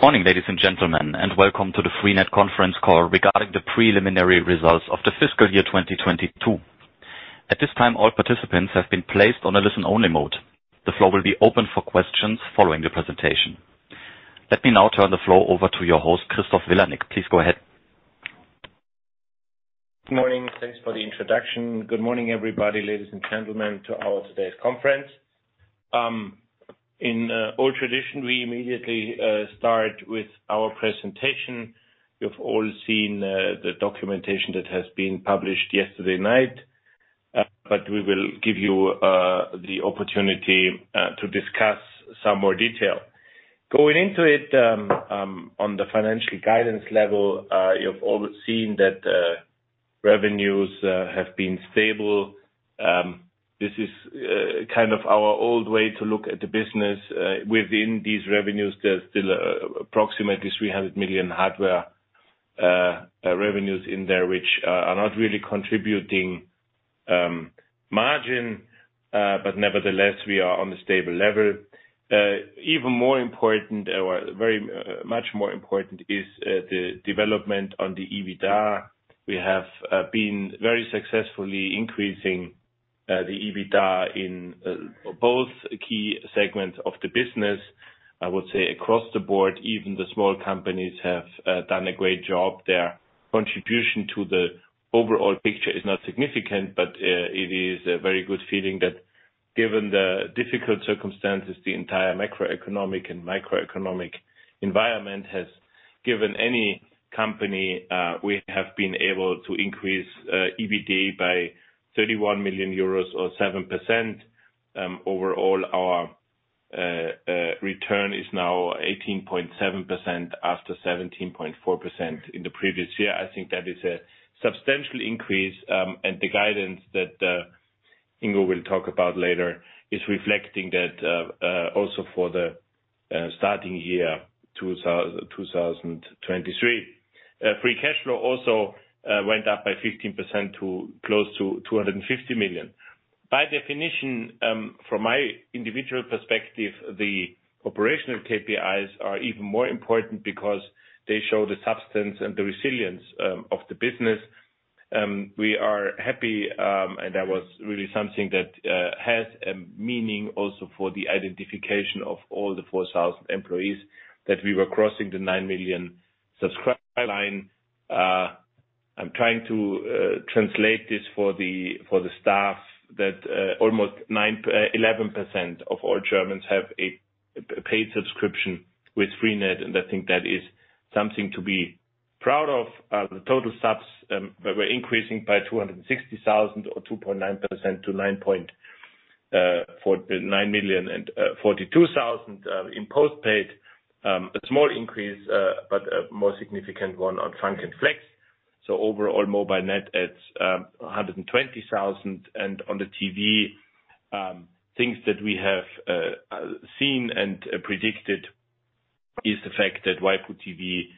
Morning, ladies and gentlemen, and welcome to the freenet conference call regarding the preliminary results of the fiscal year 2022. At this time, all participants have been placed on a listen-only mode. The floor will be open for questions following the presentation. Let me now turn the floor over to your host, Christoph Vilanek. Please go ahead. Morning. Thanks for the introduction. Good morning, everybody, ladies and gentlemen, to our today's conference. In old tradition, we immediately start with our presentation. You've all seen the documentation that has been published yesterday night. We will give you the opportunity to discuss some more detail. Going into it, on the financial guidance level, you've all seen that revenues have been stable. This is kind of our old way to look at the business. Within these revenues, there's still approximately 300 million hardware revenues in there which are not really contributing margin. Nevertheless, we are on the stable level. Even more important or very much more important is the development on the EBITDA. We have been very successfully increasing the EBITDA in both key segments of the business. I would say across the board, even the small companies have done a great job. Their contribution to the overall picture is not significant, but it is a very good feeling that given the difficult circumstances the entire macroeconomic and microeconomic environment has given any company, we have been able to increase EBT by 31 million euros or 7%. Overall, our return is now 18.7% after 17.4% in the previous year. I think that is a substantial increase, and the guidance that Ingo will talk about later is reflecting that also for the starting year, 2023. Free cash flow also went up by 15% to close to 250 million. By definition, from my individual perspective, the operational KPIs are even more important because they show the substance and the resilience of the business. We are happy, and that was really something that has a meaning also for the identification of all the 4,000 employees that we were crossing the 9 million subscriber line. I'm trying to translate this for the staff that almost 9, 11% of all Germans have a paid subscription with freenet, and I think that is something to be proud of. total subs increasing by 260,000 or 2.9% to 9,042,000 in postpaid. A small increase, but a more significant one on freenet FUNK and FLEX. Overall mobile net adds 120,000. On the TV, things that we have seen and predicted is the fact that waipu.tv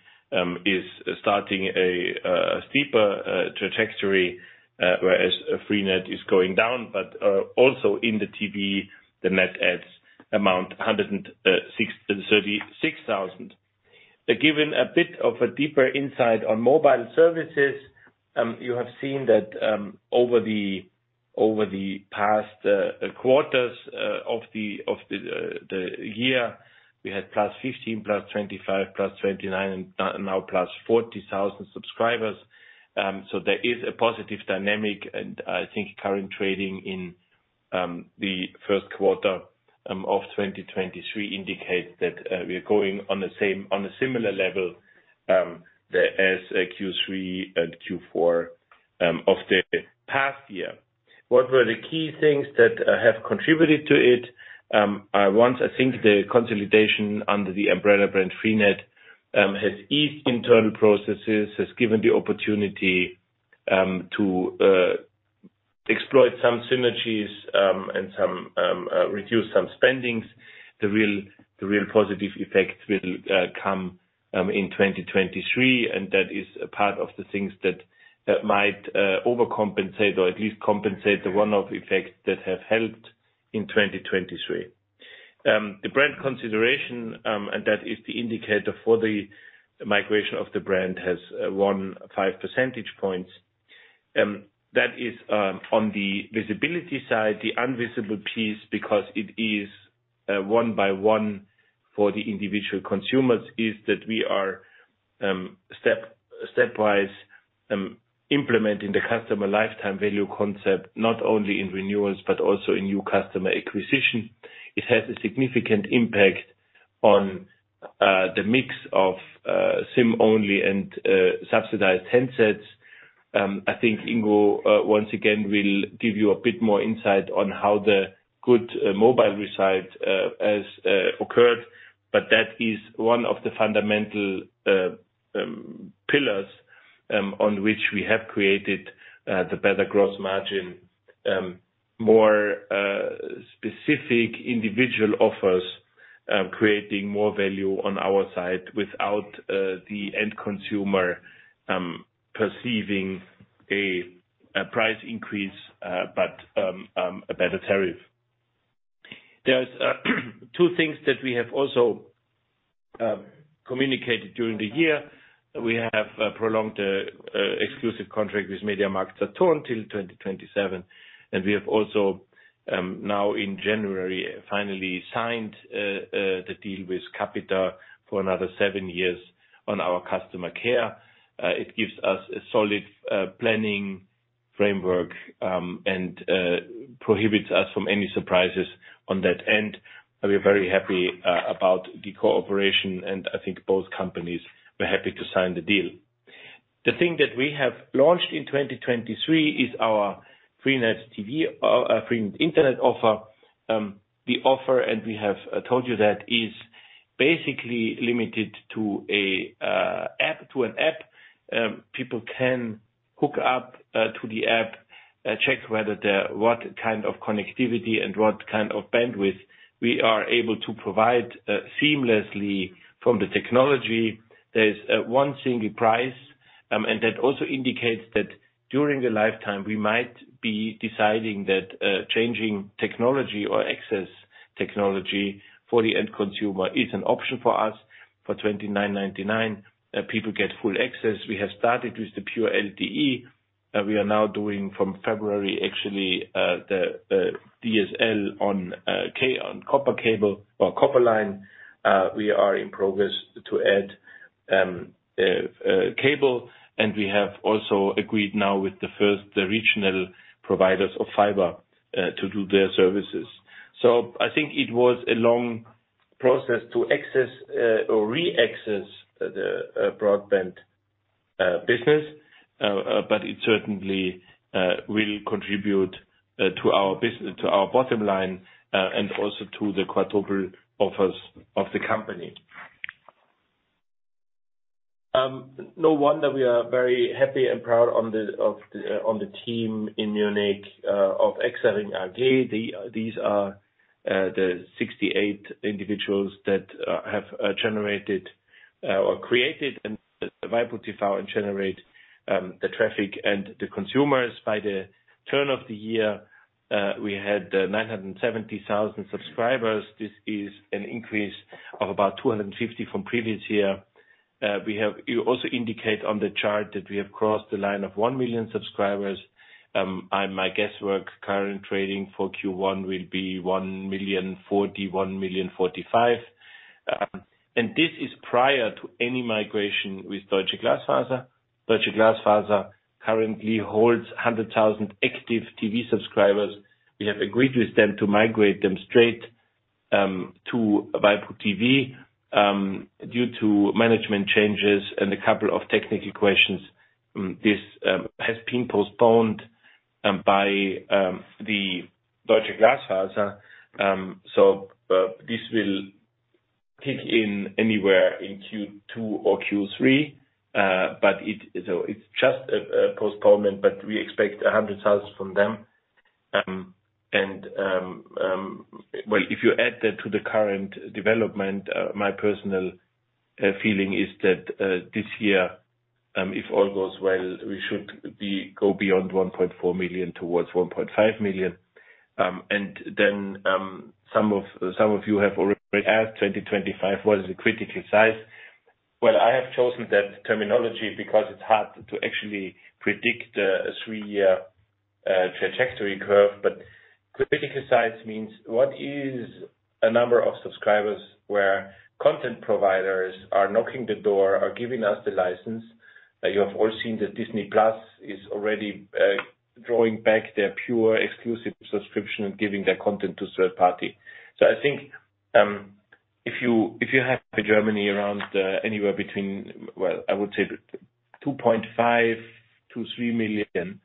is starting a steeper trajectory, whereas freenet is going down. Also in the TV, the net adds amount 136,000. Given a bit of a deeper insight on mobile services, you have seen that over the past quarters of the year, we had +15, +25, +29, and now +40,000 subscribers. There is a positive dynamic, and I think current trading in the 1st quarter of 2023 indicates that we are going on a similar level as Q3 and Q4 of the past year. What were the key things that have contributed to it? Once I think the consolidation under the umbrella brand freenet has eased internal processes, has given the opportunity to exploit some synergies, and some reduce some spendings. The real positive effect will come in 2023, and that is a part of the things that might overcompensate or at least compensate the one-off effects that have helped in 2023. The brand consideration, and that is the indicator for the migration of the brand, has won 5 percentage points. That is on the visibility side. The unvisible piece, because it is one by one for the individual consumers, is that we are stepwise implementing the customer lifetime value concept, not only in renewals, but also in new customer acquisition. It has a significant impact on the mix of SIM-only and subsidized handsets. I think Ingo, once again, will give you a bit more insight on how the good mobile result has occurred, but that is one of the fundamental pillars on which we have created the better gross margin. More specific individual offers, creating more value on our side without the end consumer perceiving a price increase, but a better tariff. There's 2 things that we have also communicated during the year. We have prolonged exclusive contract with MediaMarktSaturn till 2027, and we have also now in January, finally signed the deal with Capita for another 7 years on our customer care. It gives us a solid planning framework, and prohibits us from any surprises on that end. We're very happy about the cooperation, and I think both companies were happy to sign the deal. The thing that we have launched in 2023 is our freenet TV freenet Internet offer. The offer, and we have told you that, is basically limited to a app, to an app. People can hook up to the app, check whether what kind of connectivity and what kind of bandwidth we are able to provide seamlessly from the technology. There's one single price, and that also indicates that during the lifetime, we might be deciding that changing technology or access technology for the end consumer is an option for us. For 29.99, people get full access. We have started with the pure LTE. We are now doing from February, actually, the DSL on copper cable or copper line. We are in progress to add cable, and we have also agreed now with the first regional providers of fiber to do their services. I think it was a long process to access or re-access the broadband.business, but it certainly will contribute to our bottom line and also to the quadruple offers of the company. No wonder we are very happy and proud of the team in Munich of Exaring AG. These are the 68 individuals that have generated or created and the waipu.tv and generate the traffic and the consumers. By the turn of the year, we had 970,000 subscribers. This is an increase of about 250 from previous year. You also indicate on the chart that we have crossed the line of 1 million subscribers. My guesswork, current trading for Q1 will be 1,040,000, 1,045,000. This is prior to any migration with Deutsche Glasfaser. Deutsche Glasfaser currently holds 100,000 active TV subscribers. We have agreed with them to migrate them straight to waipu.tv. Due to management changes and a couple of technical questions, this has been postponed by the Deutsche Glasfaser. This will kick in anywhere in Q2 or Q3. It's just a postponement, but we expect 100,000 from them. Well, if you add that to the current development, my personal feeling is that this year, if all goes well, we should go beyond 1.4 million towards 1.5 million. Some of you have already asked, 2025, what is the critical size? Well, I have chosen that terminology because it's hard to actually predict a 3-year trajectory curve. Critical size means what is a number of subscribers where content providers are knocking the door or giving us the license? You have all seen that Disney+ is already drawing back their pure exclusive subscription and giving their content to third party. I think, if you have Germany around anywhere between, well, I would say 2.5 million-3 million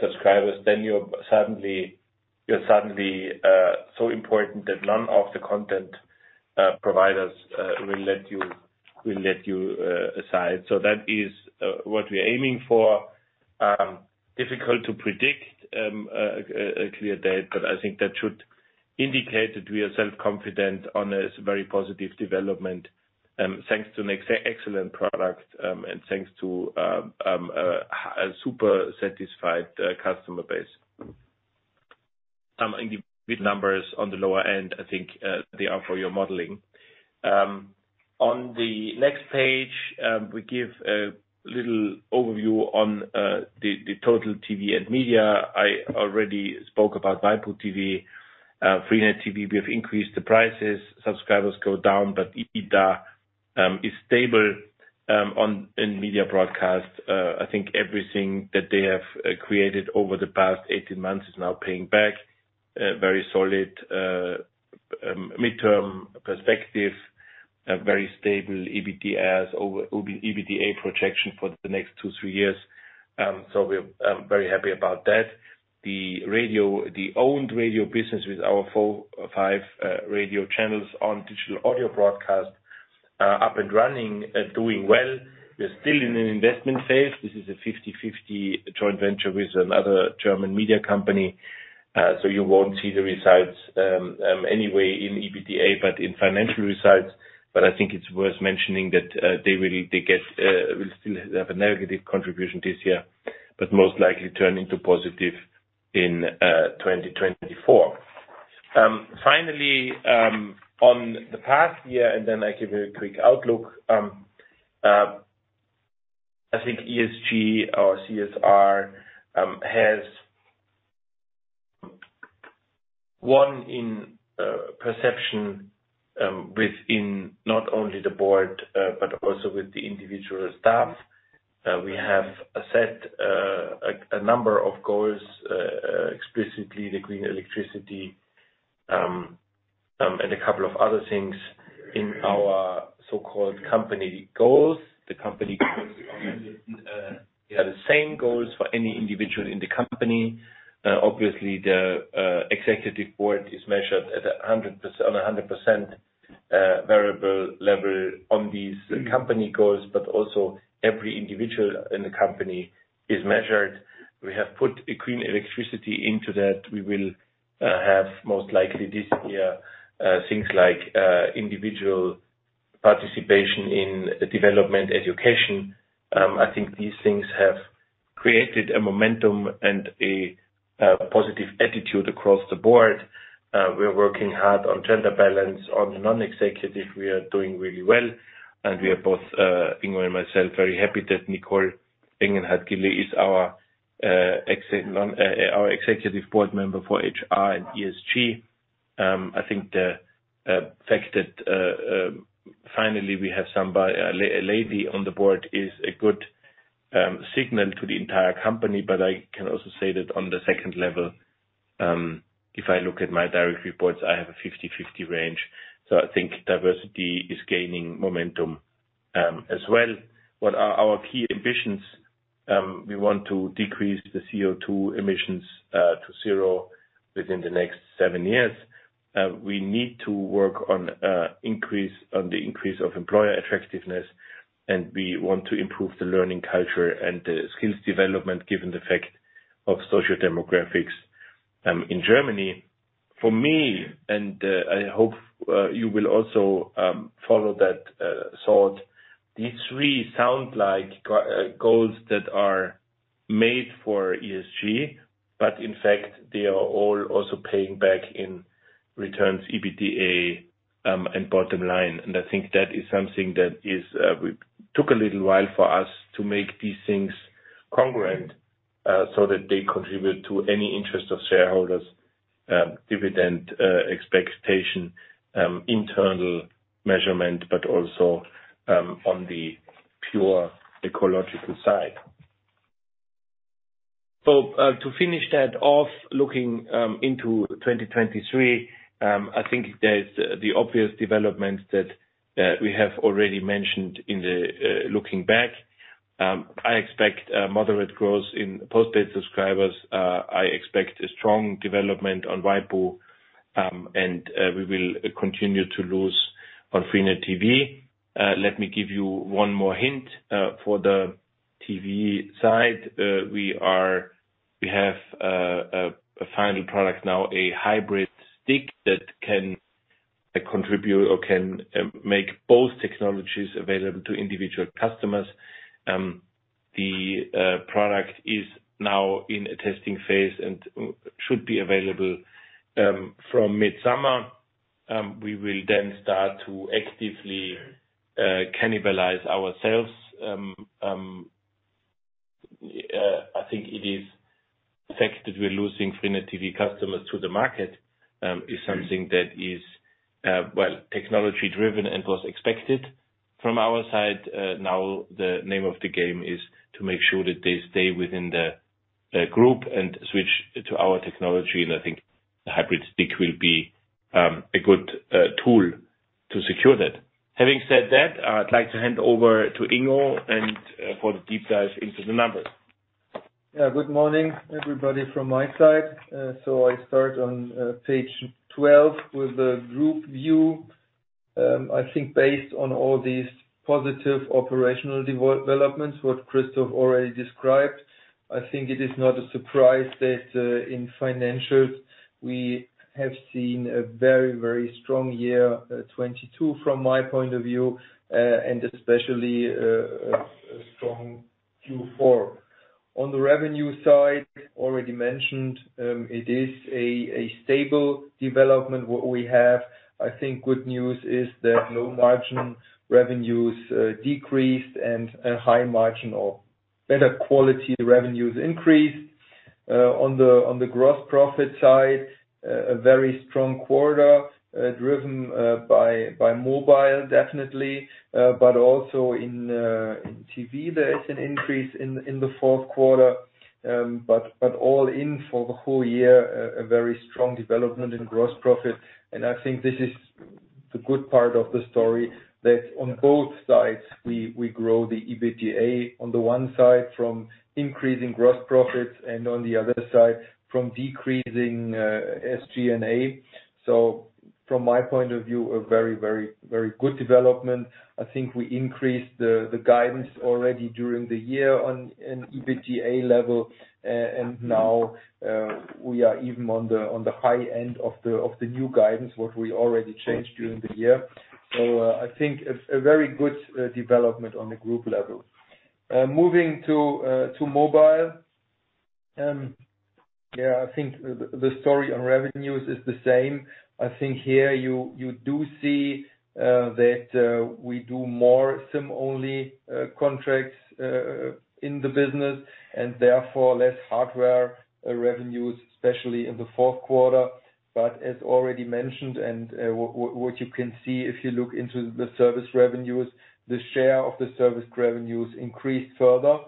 subscribers, then you're suddenly so important that none of the content providers will let you aside. That is what we're aiming for. Difficult to predict a clear date, but I think that should indicate that we are self-confident on a very positive development, thanks to an excellent product, and thanks to a super satisfied customer base. The mid numbers on the lower end, I think, they are for your modeling. On the next page, we give a little overview on the total TV and media. I already spoke about waipu.tv. Freenet TV, we have increased the prices. Subscribers go down, EBITDA is stable. In Media Broadcast, I think everything that they have created over the past 18 months is now paying back, very solid midterm perspective, a very stable EBITDA projection for the next 2, 3 years. We're very happy about that. The radio, the owned radio business with our 4, 5 radio channels on digital audio broadcast, up and running, doing well. We're still in an investment phase. This is a 50/50 joint venture with another German media company. You won't see the results anyway in EBITDA, but in financial results. I think it's worth mentioning that they really will still have a negative contribution this year. Most likely turn into positive in 2024. Finally, on the past year, and then I give you a quick outlook, I think ESG or CSR has one in perception within not only the board, but also with the individual staff. We have set a number of goals, explicitly the green electricity, and a couple of other things in our so-called company goals. The company goals, we have the same goals for any individual in the company. Obviously, the executive board is measured at 100%, on 100%, variable level on these company goals, but also every individual in the company is measured. We have put a green electricity into that. We will have most likely this year things like individual participation in development education. I think these things have created a momentum and a positive attitude across the board. We are working hard on gender balance. On the non-executive, we are doing really well. We are both, Ingo and myself, very happy that Nicole Engenhardt-Gille is our Executive Board Member for HR and ESG. I think the fact that finally we have somebody, a lady on the board is a good signal to the entire company. I can also say that on the second level, if I look at my direct reports, I have a 50/50 range. I think diversity is gaining momentum as well. What are our key ambitions? We want to decrease the CO₂ emissions to zero within the next seven years. We need to work on the increase of employer attractiveness, and we want to improve the learning culture and the skills development, given the fact of social demographics in Germany. For me, and I hope you will also follow that thought, these three sound like goals that are made for ESG, but in fact, they are all also paying back in returns, EBITDA, and bottom line. I think that is something that took a little while for us to make these things congruent so that they contribute to any interest of shareholders, dividend expectation, internal measurement, but also on the pure ecological side. To finish that off, looking into 2023, I think there's the obvious developments that we have already mentioned in the looking back. I expect moderate growth in post-paid subscribers. I expect a strong development on waipu, and we will continue to lose on freenet TV. Let me give you one more hint for the TV side. We have a final product now, a Hybrid TV Stick that can contribute or can make both technologies available to individual customers. The product is now in a testing phase and should be available from mid-summer. We will then start to actively cannibalize ourselves. I think it is fact that we're losing freenet TV customers to the market, is something that is, well, technology-driven and was expected from our side. Now the name of the game is to make sure that they stay within the group and switch to our technology, and I think the Hybrid TV Stick will be a good tool to secure that. Having said that, I'd like to hand over to Ingo and for the deep dive into the numbers. Yeah, good morning, everybody from my side. I start on page 12 with the group view. I think based on all these positive operational developments, what Christoph already described, I think it is not a surprise that in financials, we have seen a very strong year 2022 from my point of view, and especially a strong Q4. On the revenue side, already mentioned, it is a stable development what we have. I think good news is that low margin revenues decreased and a high margin or better quality revenues increased. On the gross profit side, a very strong quarter, driven by mobile, definitely. Also in TV, there is an increase in the fourth quarter. But all in for the whole year, a very strong development in gross profit. I think this is the good part of the story, that on both sides, we grow the EBITDA on the one side from increasing gross profits and on the other side from decreasing SG&A. From my point of view, a very, very good development. I think we increased the guidance already during the year on an EBITDA level. Now we are even on the high end of the new guidance, what we already changed during the year. I think it's a very good development on the group level. Moving to mobile. Teah, I think the story on revenues is the same. I think here you do see that we do more SIM-only contracts in the business. Therefore, less hardware revenues, especially in the fourth quarter. As already mentioned, what you can see if you look into the service revenues, the share of the service revenues increased further.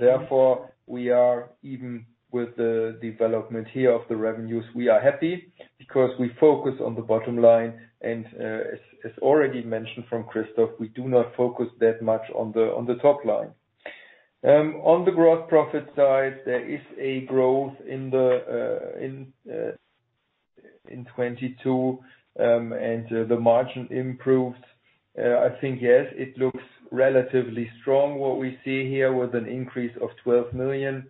Therefore, we are even with the development here of the revenues, we are happy because we focus on the bottom line. As already mentioned from Christoph, we do not focus that much on the top line. On the gross profit side, there is a growth in the in 2022, and the margin improved. I think, yes, it looks relatively strong, what we see here with an increase of 12 million.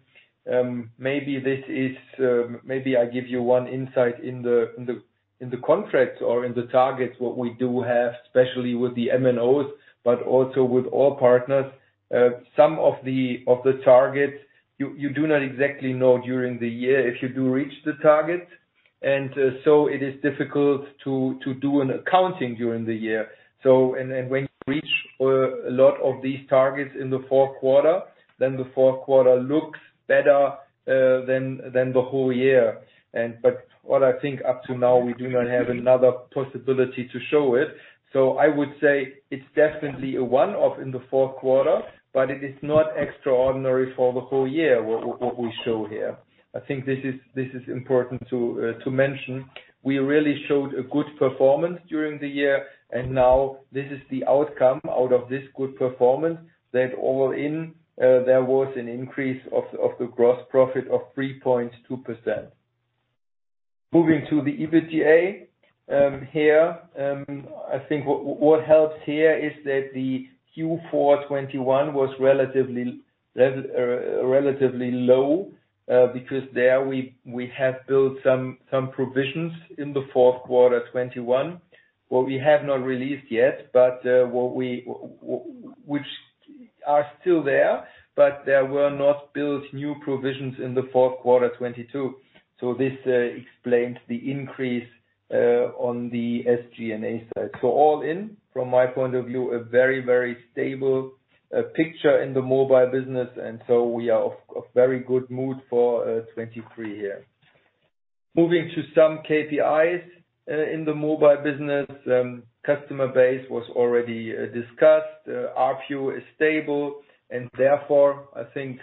Maybe this is, maybe I give you one insight in the contracts or in the targets, what we do have, especially with the MNOs, but also with all partners. Some of the targets, you do not exactly know during the year if you do reach the target. It is difficult to do an accounting during the year. When you reach a lot of these targets in the fourth quarter, then the fourth quarter looks better than the whole year. What I think up to now, we do not have another possibility to show it. I would say it's definitely a one-off in the fourth quarter, but it is not extraordinary for the whole year, what we show here. I think this is important to mention. We really showed a good performance during the year. Now this is the outcome out of this good performance, that all in there was an increase of the gross profit of 3.2%. Moving to the EBITDA, here I think what helps here is that the Q4 2021 was relatively low because there we have built some provisions in the fourth quarter 2021, which we have not released yet, but which are still there, but there were not built new provisions in the fourth quarter 2022. This explains the increase on the SG&A side. All in, from my point of view, a very, very stable picture in the mobile business. We are of very good mood for 2023 here. Moving to some KPIs in the mobile business. Customer base was already discussed. ARPU is stable. Therefore, I think,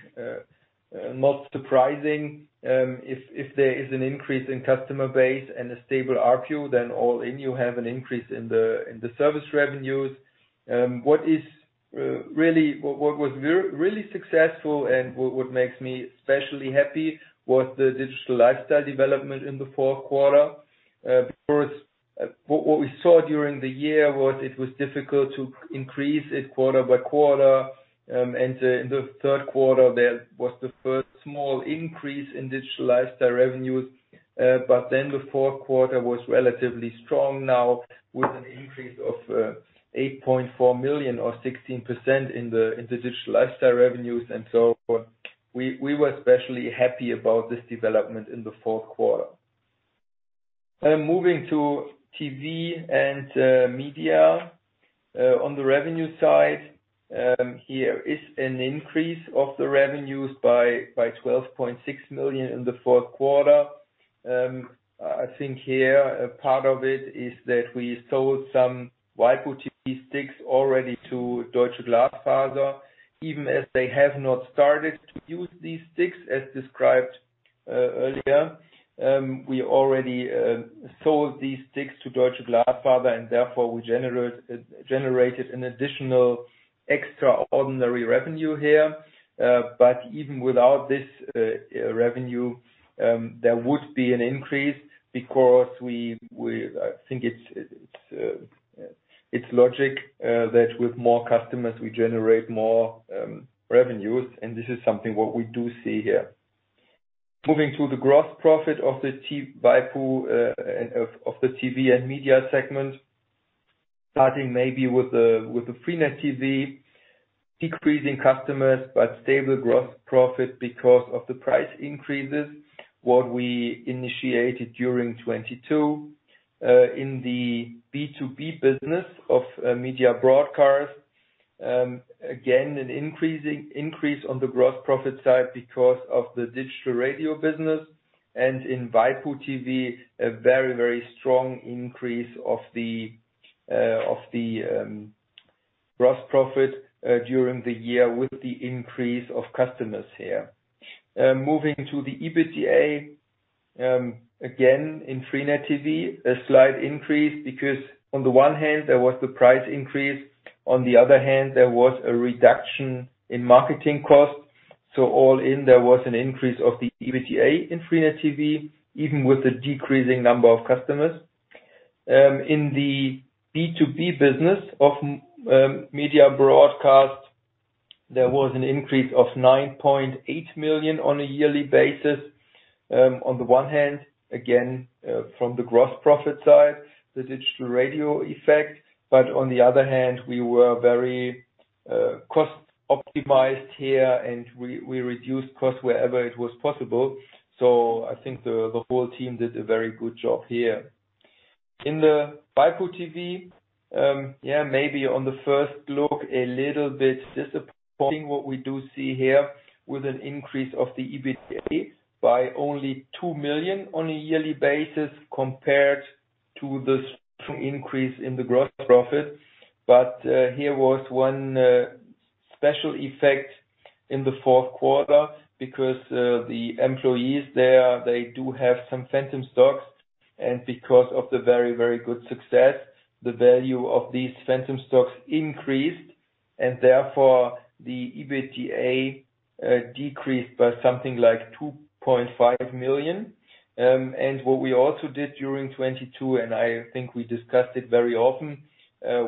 not surprising, if there is an increase in customer base and a stable ARPU, then all in you have an increase in the service revenues. What was really successful and what makes me especially happy was the Digital Lifestyle development in the fourth quarter. First, what we saw during the year was it was difficult to increase it quarter by quarter. In the third quarter, there was the first small increase in Digital Lifestyle revenues. The fourth quarter was relatively strong now with an increase of 8.4 million or 16% in the Digital Lifestyle revenues. We were especially happy about this development in the fourth quarter. Moving to TV and media. On the revenue side, here is an increase of the revenues by 12.6 million in the fourth quarter. I think here a part of it is that we sold some waipu.tv sticks already to Deutsche Glasfaser, even as they have not started to use these sticks as described earlier. We already sold these sticks to Deutsche Glasfaser, and therefore we generated an additional extraordinary revenue here. Even without this revenue, there would be an increase because I think it's logic that with more customers, we generate more revenues, and this is something what we do see here. Moving to the gross profit of the TV and media segment, starting maybe with the freenet TV, decreasing customers but stable gross profit because of the price increases, what we initiated during 22 in the B2B business of Media Broadcast. Again, an increase on the gross profit side because of the digital radio business. In waipu.tv, a very, very strong increase of the gross profit during the year with the increase of customers here. Moving to the EBITDA, again, in freenet TV, a slight increase because on the one hand, there was the price increase, on the other hand, there was a reduction in marketing costs. All in, there was an increase of the EBITDA in freenet TV, even with the decreasing number of customers. In the B2B business of Media Broadcast, there was an increase of 9.8 million on a yearly basis. On the one hand, again, from the gross profit side, the digital radio effect, but on the other hand, we were very cost optimized here, and we reduced costs wherever it was possible. I think the whole team did a very good job here. In the waipu.tv, yeah, maybe on the first look, a little bit disappointing what we do see here with an increase of the EBITDA by only 2 million on a yearly basis compared to the strong increase in the gross profit. Here was one special effect in the fourth quarter because the employees there, they do have some phantom stocks, and because of the very, very good success, the value of these phantom stocks increased, and therefore the EBITDA decreased by something like 2.5 million. What we also did during 2022, and I think we discussed it very often,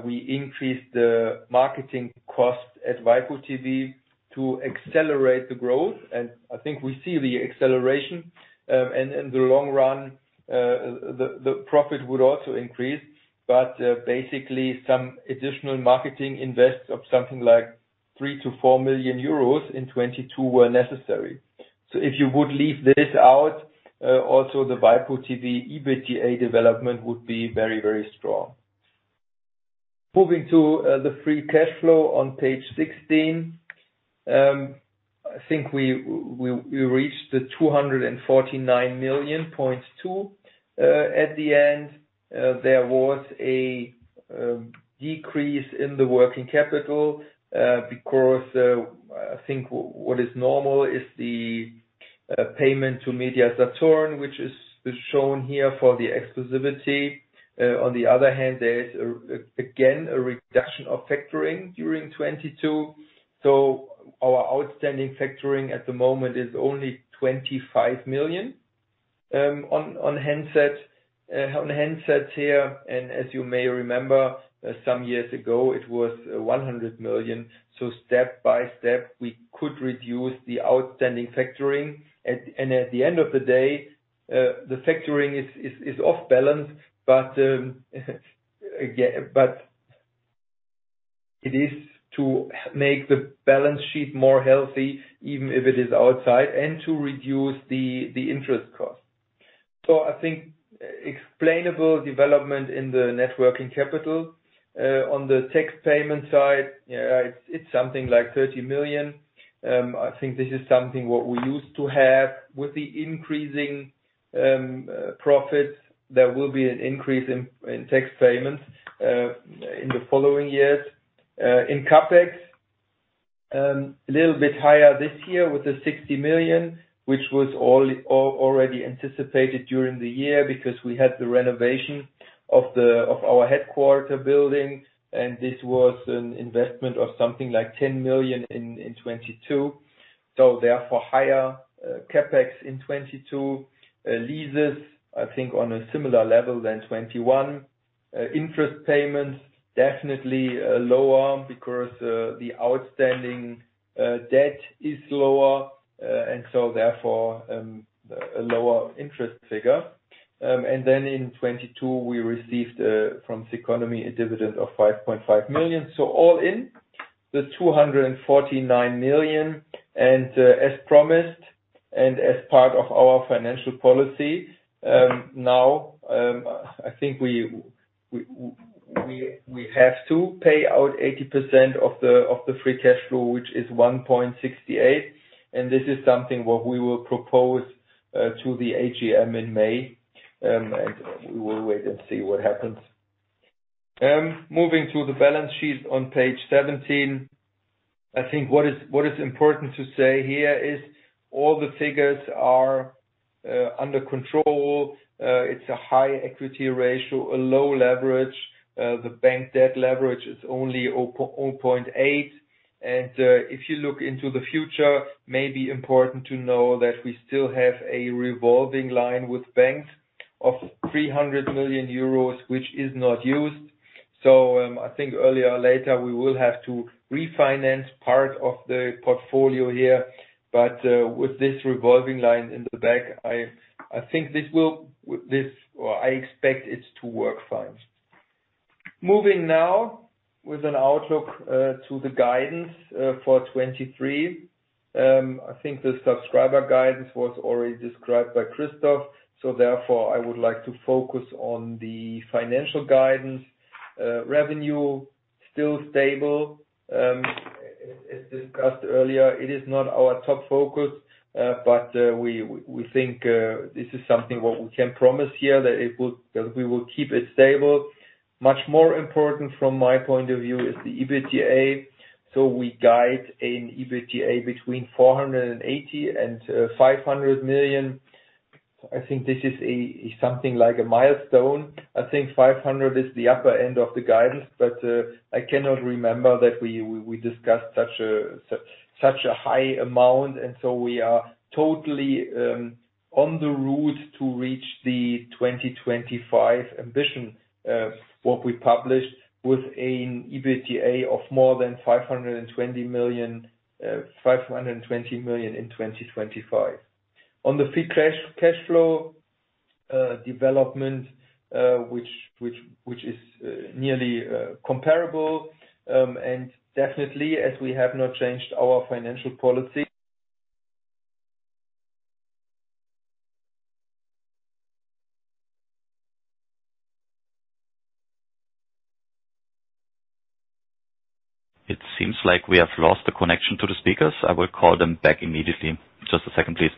we increased the marketing cost at waipu.tv to accelerate the growth. I think we see the acceleration, and in the long run, the profit would also increase. Basically some additional marketing invest of something like 3 million-4 million euros in 2022 were necessary. If you would leave this out, also the waipu.tv EBITDA development would be very, very strong. Moving to the free cash flow on page 16. I think we reached 249.2 million. At the end, there was a decrease in the working capital, because I think what is normal is the payment to MediaMarktSaturn, which is shown here for the exclusivity. On the other hand, there is, again, a reduction of factoring during 2022. Our outstanding factoring at the moment is only 25 million on handsets here. As you may remember, some years ago, it was 100 million. Step by step, we could reduce the outstanding factoring. At the end of the day, the factoring is off balance, but it is to make the balance sheet more healthy, even if it is outside, and to reduce the interest costs. I think explainable development in the networking capital on the tax payment side, it's something like 30 million. I think this is something what we used to have. With the increasing profits, there will be an increase in tax payments in the following years. In CapEx, a little bit higher this year with the 60 million, which was already anticipated during the year because we had the renovation of our headquarter building, and this was an investment of something like 10 million in 2022. Therefore higher CapEx in 2022. Leases, I think on a similar level than 2021. Interest payments, definitely lower because the outstanding debt is lower, and so therefore a lower interest figure. In 2022, we received from Ceconomy a dividend of 5.5 million. All in, the 249 million. As promised, and as part of our financial policy, now, I think we have to pay out 80% of the free cash flow, which is 1.68. This is something what we will propose to the AGM in May. We will wait and see what happens. Moving to the balance sheet on page 17. I think what is, what is important to say here is all the figures are under control. It's a high equity ratio, a low leverage. The bank debt leverage is only 0.8. If you look into the future, may be important to know that we still have a revolving line with banks of 300 million euros, which is not used. I think earlier or later, we will have to refinance part of the portfolio here. With this revolving line in the back, I think or I expect it to work fine. Moving now with an outlook to the guidance for 2023. I think the subscriber guidance was already described by Christoph Vilanek. I would like to focus on the financial guidance. Revenue, still stable. As discussed earlier, it is not our top focus, but we think this is something what we can promise here, that we will keep it stable. Much more important from my point of view is the EBITDA. We guide an EBITDA between 480 million and 500 million. I think this is something like a milestone. I think 500 million is the upper end of the guidance, but I cannot remember that we discussed such a high amount. We are totally on the route to reach the 2025 ambition, what we published was an EBITDA of more than 520 million, 520 million in 2025. On the free cash flow development, which is nearly comparable, and definitely as we have not changed our financial policy. It seems like we have lost the connection to the speakers. I will call them back immediately. Just a second, please.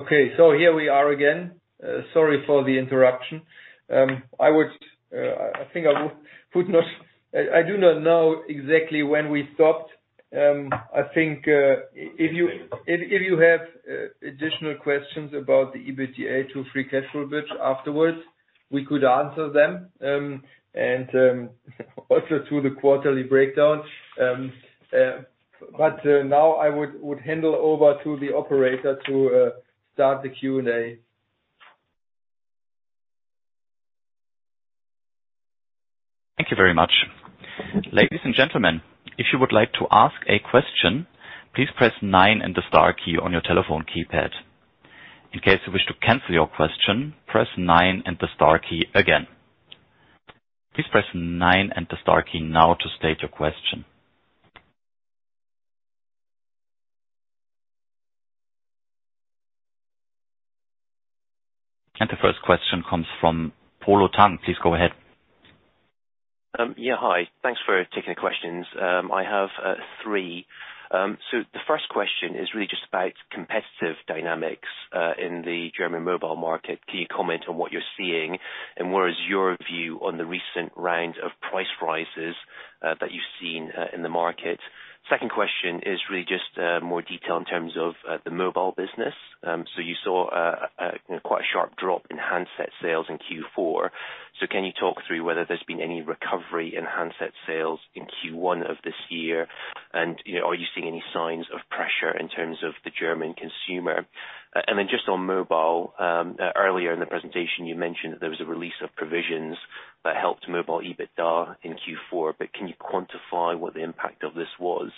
Okay, here we are again. Sorry for the interruption. I would, I think I would put notes. I do not know exactly when we stopped. I think, if you have additional questions about the EBITDA to free cash flow bits afterwards, we could answer them. Also through the quarterly breakdown. Now I would handle over to the operator to start the Q&A. Thank you very much. Ladies and gentlemen, if you would like to ask a question, please press 9 and the star key on your telephone keypad. In case you wish to cancel your question, press 9 and the star key again. Please press 9 and the star key now to state your question. The 1st question comes from Polo Tang. Please go ahead. Yeah, hi. Thanks for taking the questions. I have three. The first question is really just about competitive dynamics in the German mobile market. Can you comment on what you're seeing, and where is your view on the recent round of price rises that you've seen in the market? Second question is really just more detail in terms of the mobile business. You saw a quite sharp drop in handset sales in Q4. Can you talk through whether there's been any recovery in handset sales in Q1 of this year? And, you know, are you seeing any signs of pressure in terms of the German consumer? Just on mobile, earlier in the presentation, you mentioned there was a release of provisions that helped mobile EBITDA in Q4, but can you quantify what the impact of this was?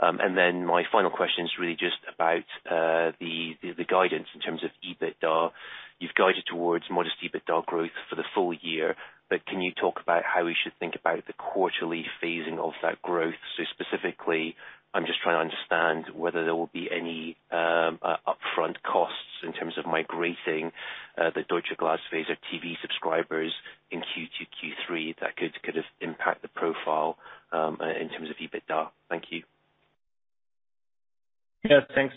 My final question is really just about the guidance in terms of EBITDA. You've guided towards modest EBITDA growth for the full year, but can you talk about how we should think about the quarterly phasing of that growth? Specifically, I'm just trying to understand whether there will be any upfront costs in terms of migrating the Deutsche Glasfaser TV subscribers in Q2, Q3 that could have impact the profile in terms of EBITDA. Thank you. Yeah, thanks,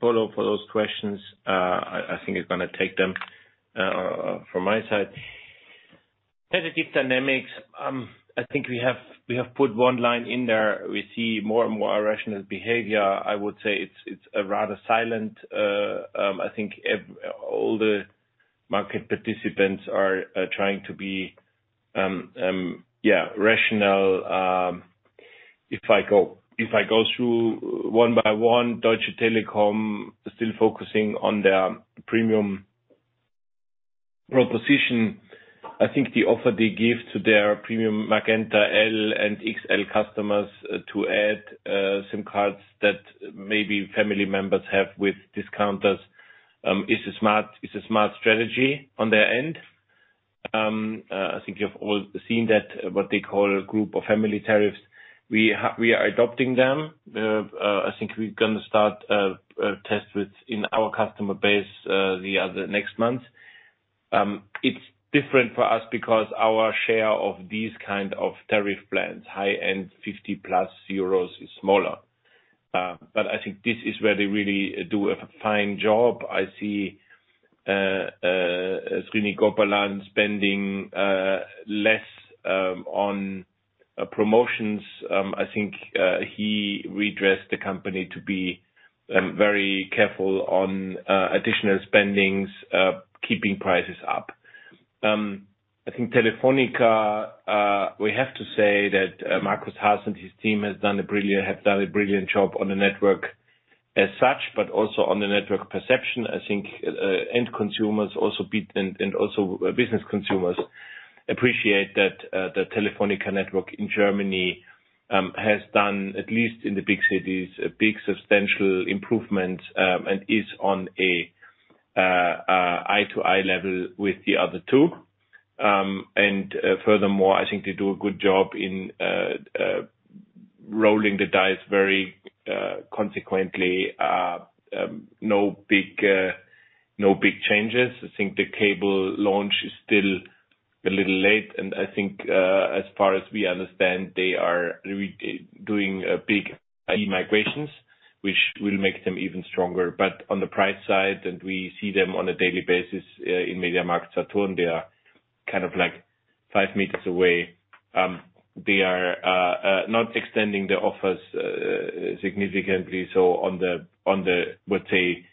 Polo, for those questions. I think it's gonna take them from my side. Positive dynamics, I think we have put one line in there. We see more and more irrational behavior. I would say it's a rather silent. I think all the market participants are trying to be, yeah, rational. If I go through one by one, Deutsche Telekom is still focusing on their premium proposition. I think the offer they give to their premium Magenta L and XL customers, to add SIM cards that maybe family members have with discounters, is a smart strategy on their end. I think you've all seen that, what they call group or family tariffs. We are adopting them. I think we're gonna start a test with in our customer base the other next month. It's different for us because our share of these kind of tariff plans, high end 50+ euros, is smaller. I think this is where they really do a fine job. I see Srini Gopalan spending less on promotions. I think he redressed the company to be very careful on additional spendings, keeping prices up. I think Telefónica, we have to say that Markus Haas and his team have done a brilliant job on the network as such, also on the network perception. I think end consumers and also business consumers appreciate that the Telefónica network in Germany has done, at least in the big cities, a big substantial improvement, and is on a eye-to-eye level with the other two. Furthermore, I think they do a good job in rolling the dice very consequently, no big changes. I think the cable launch is still a little late, and I think as far as we understand, they are doing big e-migrations, which will make them even stronger. On the price side, and we see them on a daily basis in MediaMarktSaturn, they are kind of like 5 meters away. They are not extending their offers significantly. On the, let's say,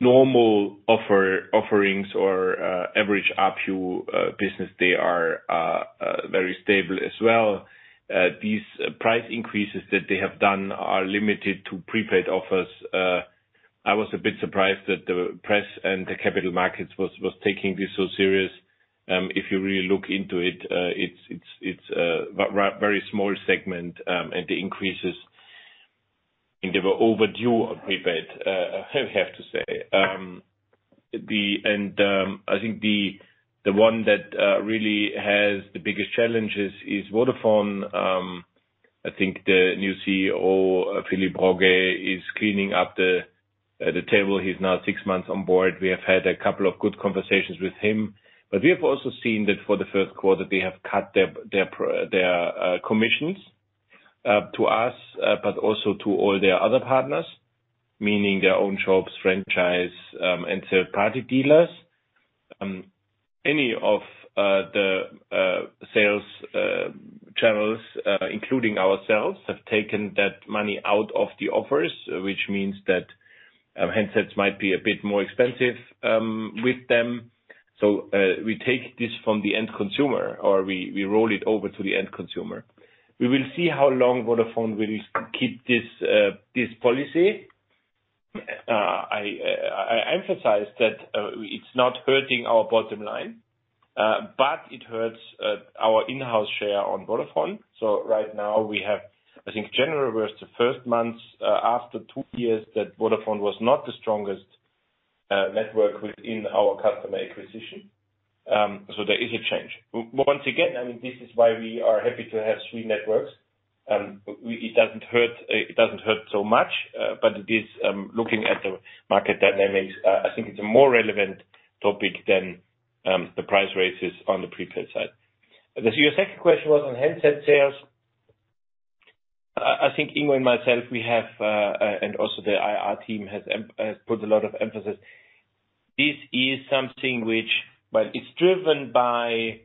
normal offerings or average ARPU business, they are very stable as well. These price increases that they have done are limited to prepaid offers. I was a bit surprised that the press and the capital markets was taking this so serious. If you really look into it's a very small segment, and the increases, I think they were overdue on prepaid, I have to say. And, I think the one that really has the biggest challenges is Vodafone. I think the new CEO, Philippe Rogge, is cleaning up the table. He's now 6 months on board. We have had a couple of good conversations with him. We have also seen that for the first quarter, they have cut their commissions to us, but also to all their other partners, meaning their own shops, franchise and third-party dealers. Any of the sales channels, including ourselves, have taken that money out of the offers, which means that handsets might be a bit more expensive with them. We take this from the end consumer, or we roll it over to the end consumer. We will see how long Vodafone will keep this policy. I emphasize that it's not hurting our bottom line, but it hurts our in-house share on Vodafone. Right now we have, I think January was the first month, after two years, that Vodafone was not the strongest network within our customer acquisition. There is a change. Once again, I mean, this is why we are happy to have three networks. It doesn't hurt, it doesn't hurt so much, but it is, looking at the market dynamics, I think it's a more relevant topic than the price raises on the prepaid side. Your second question was on handset sales. I think Ingo and myself, we have, and also the IR team has put a lot of emphasis. This is something which, well, it's driven by,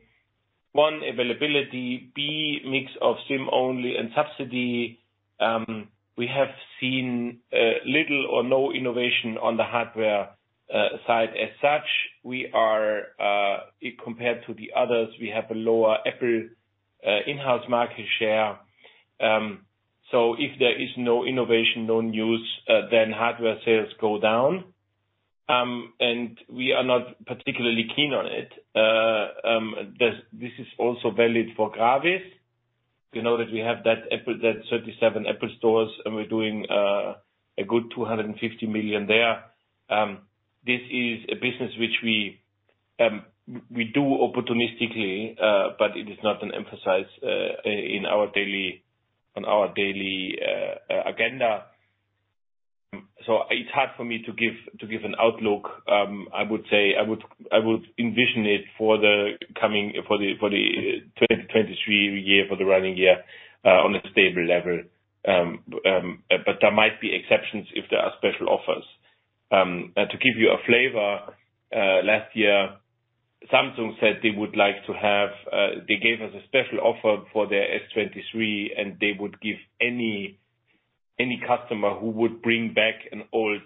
one, availability, B, mix of SIM-only and subsidy. We have seen little or no innovation on the hardware side as such. We are, compared to the others, we have a lower Apple in-house market share. If there is no innovation, no news, then hardware sales go down. We are not particularly keen on it. This is also valid for GRAVIS. You know that we have that 37 Apple stores, and we're doing a good 250 million there. This is a business which we do opportunistically, but it is not an emphasis on our daily agenda. It's hard for me to give an outlook. I would say I would envision it for the 2023 year, for the running year, on a stable level. There might be exceptions if there are special offers. To give you a flavor, last year Samsung said they gave us a special offer for their S23, and they would give any customer who would bring back an old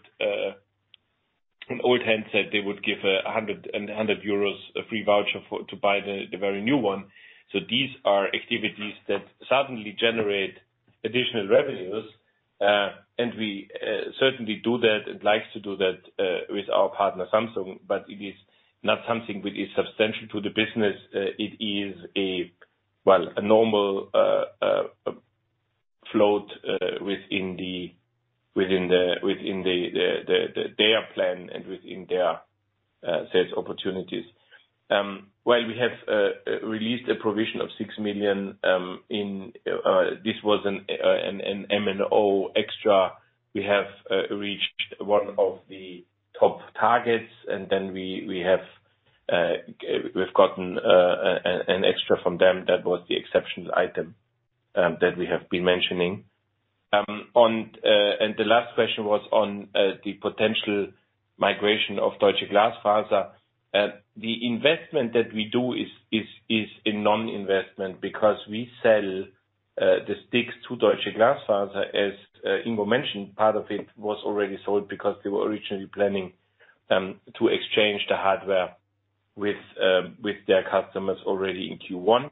handset, they would give a 100 EUR free voucher to buy the very new one. These are activities that suddenly generate additional revenues. We certainly do that and likes to do that with our partner Samsung, but it is not something which is substantial to the business. It is a, well, a normal float within their plan and within their sales opportunities. While we have released a provision of 6 million in. This was an M&O extra. We have reached one of the top targets, and then we have we've gotten an extra from them. That was the exceptions item that we have been mentioning. The last question was on the potential migration of Deutsche Glasfaser. The investment that we do is a non-investment because we sell the sticks to Deutsche Glasfaser. As Ingo mentioned, part of it was already sold because they were originally planning to exchange the hardware with their customers already in Q1.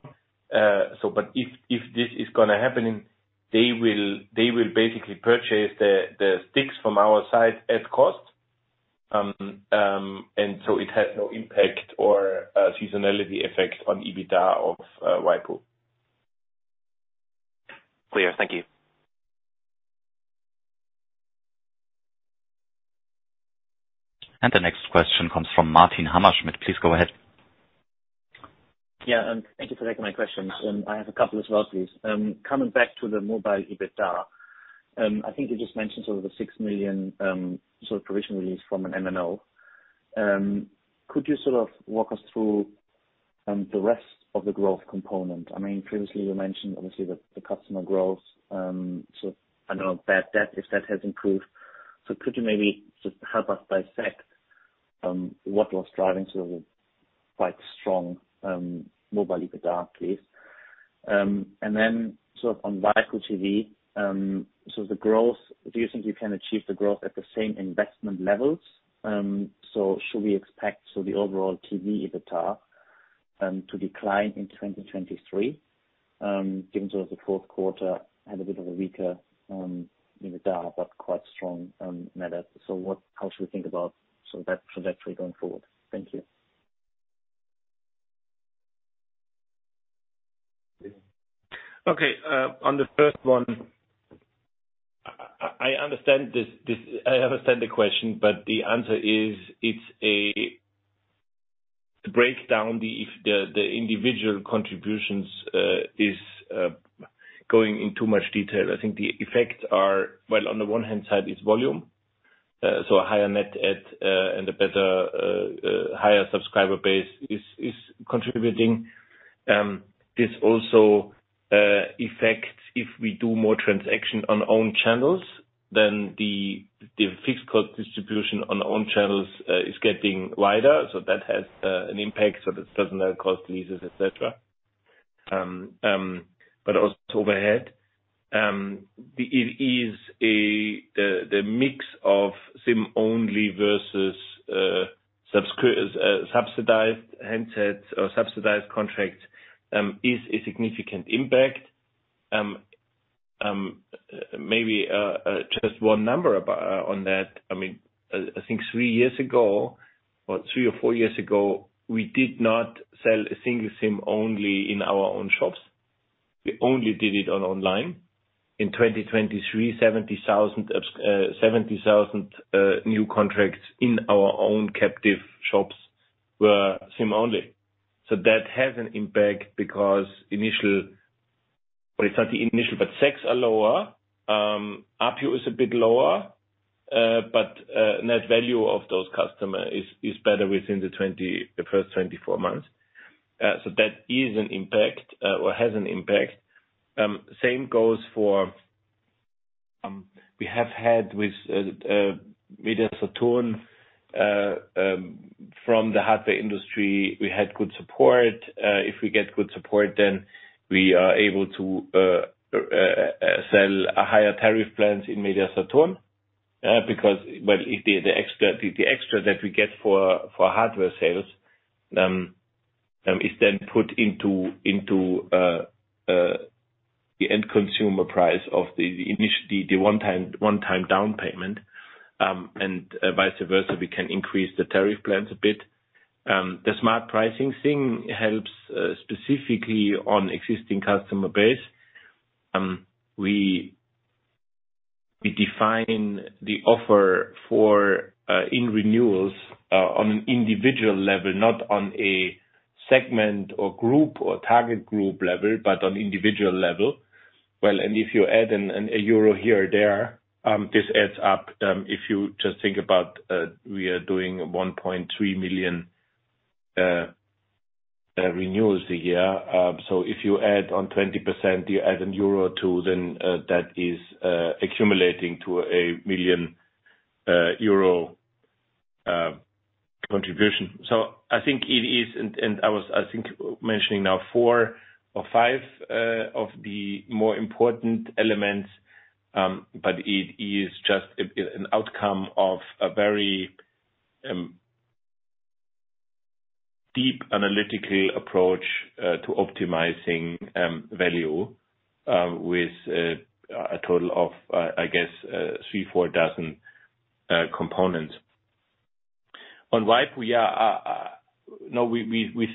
If this is gonna happen, they will basically purchase the sticks from our side at cost. It has no impact or seasonality effect on EBITDA of waipu. Clear. Thank you. The next question comes from Martin Hammerschmidt. Please go ahead. Yeah. Thank you for taking my questions. I have a couple as well, please. Coming back to the mobile EBITDA, I think you just mentioned sort of the 6 million, sort of provision release from an M&O. Could you sort of walk us through the rest of the growth component? I mean, previously you mentioned obviously the customer growth. So I know bad debt, if that has improved. So could you maybe just help us dissect what was driving sort of quite strong, mobile EBITDA, please? Then sort of on waipu.tv, so the growth, do you think you can achieve the growth at the same investment levels? Should we expect the overall TV EBITDA to decline in 2023, given sort of the fourth quarter had a bit of a weaker EBITDA, but quite strong net add? How should we think about that trajectory going forward? Thank you. Okay. On the first one, I understand the question. The answer is, it's a breakdown. The individual contributions is going in too much detail. I think the effects are. Well, on the one hand side is volume. A higher net add and a better, higher subscriber base is contributing. This also affects if we do more transaction on own channels, then the fixed cost distribution on own channels is getting wider. That has an impact. This doesn't cause leases, et cetera. But also overhead. The mix of SIM-only versus subsidized handsets or subsidized contracts is a significant impact. Maybe just one number on that. I mean, I think 3 years ago, or 3 or 4 years ago, we did not sell a single SIM-only in our own shops. We only did it on online. In 2023, 70,000 new contracts in our own captive shops were SIM-only. That has an impact because Well, it's not the initial, but SACs are lower. ARPU is a bit lower, net value of those customer is better within the first 24 months. That is an impact or has an impact. Same goes for, we have had with MediaMarktSaturn from the hardware industry, we had good support. If we get good support, we are able to sell a higher tariff plans in MediaMarktSaturn because... Well, if the extra that we get for hardware sales is then put into the end consumer price of the one-time down payment, and vice versa, we can increase the tariff plans a bit. The smart pricing thing helps specifically on existing customer base. We define the offer for in renewals on an individual level, not on a segment or group or target group level, but on individual level. Well, if you add an euro here or there, this adds up. If you just think about, we are doing 1.3 million renewals a year. If you add on 20%, you add in euro too, then that is accumulating to a EUR 1 million contribution. I think it is. I was, I think mentioning now four or five of the more important elements, but it is just an outcome of a very deep analytical approach to optimizing value with a total of, I guess, three, four dozen components. On waipu we are, with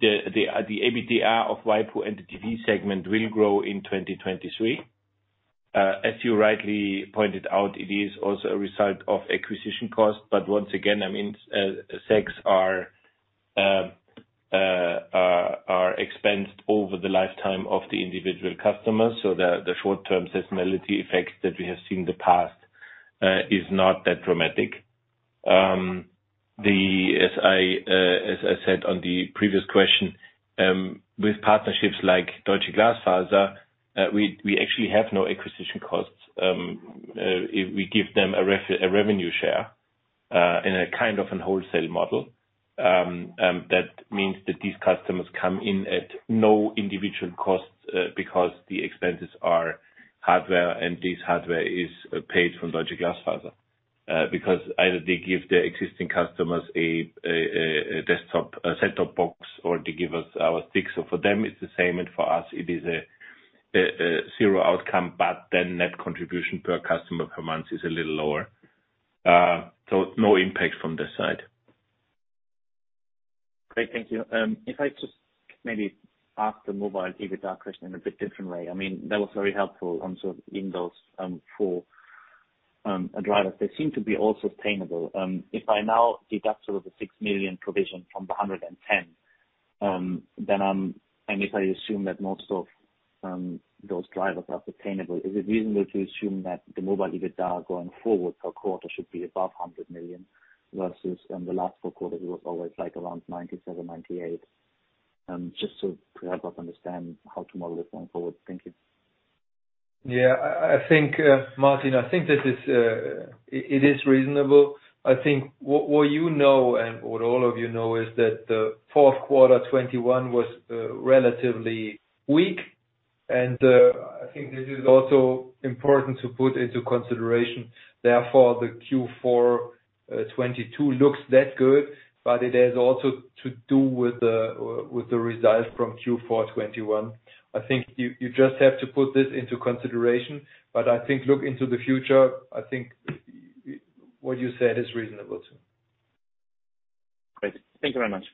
the EBITDA of waipu and the TV segment will grow in 2023. As you rightly pointed out, it is also a result of acquisition costs. Once again, I mean, SACs are expensed over the lifetime of the individual customers. The short-term seasonality effects that we have seen in the past, is not that dramatic. As I said on the previous question, with partnerships like Deutsche Glasfaser, we actually have no acquisition costs. If we give them a revenue share in a kind of a wholesale model, that means that these customers come in at no individual costs, because the expenses are hardware, and this hardware is paid from Deutsche Glasfaser. Because either they give their existing customers a desktop, a set-top box, or they give us our stick. For them, it's the same, and for us it is a zero outcome. Net contribution per customer per month is a little lower. No impact from this side. Great. Thank you. If I just maybe ask the mobile EBITDA question in a bit different way. I mean, that was very helpful on sort of in those 4 drivers. They seem to be all sustainable. If I now deduct sort of the 6 million provision from the 110 million, If I assume that most of those drivers are sustainable, is it reasonable to assume that the mobile EBITDA going forward per quarter should be above 100 million versus in the last 4 quarters, it was always, like, around 97 million-98 million? Just to help us understand how to model this going forward. Thank you. Yeah. I think Martin, I think this is, it is reasonable. I think what you know, and what all of you know is that the fourth quarter 2021 was relatively weak, and I think this is also important to put into consideration. Therefore, the Q4 2022 looks that good, but it has also to do with the results from Q4 2021. I think you just have to put this into consideration. But I think look into the future, I think what you said is reasonable, too. Great. Thank you very much.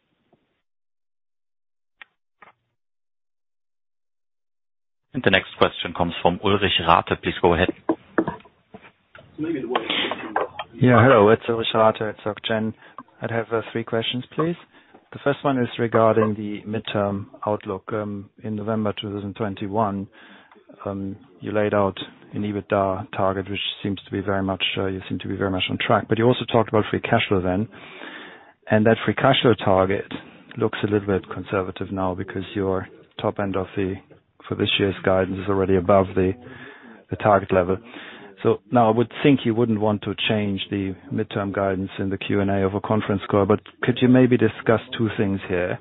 The next question comes from Ulrich Rathe. Please goahead. Yeah. Hello, it's Ulrich Rathe at Soc Gen. I'd have three questions, please. The first one is regarding the midterm outlook. In November 2021, you laid out an EBITDA target, which you seem to be very much on track, but you also talked about free cash flow then. That free cash flow target looks a little bit conservative now because your top end of the, for this year's guidance is already above the target level. Now I would think you wouldn't want to change the midterm guidance in the Q&A of a conference call, but could you maybe discuss two things here?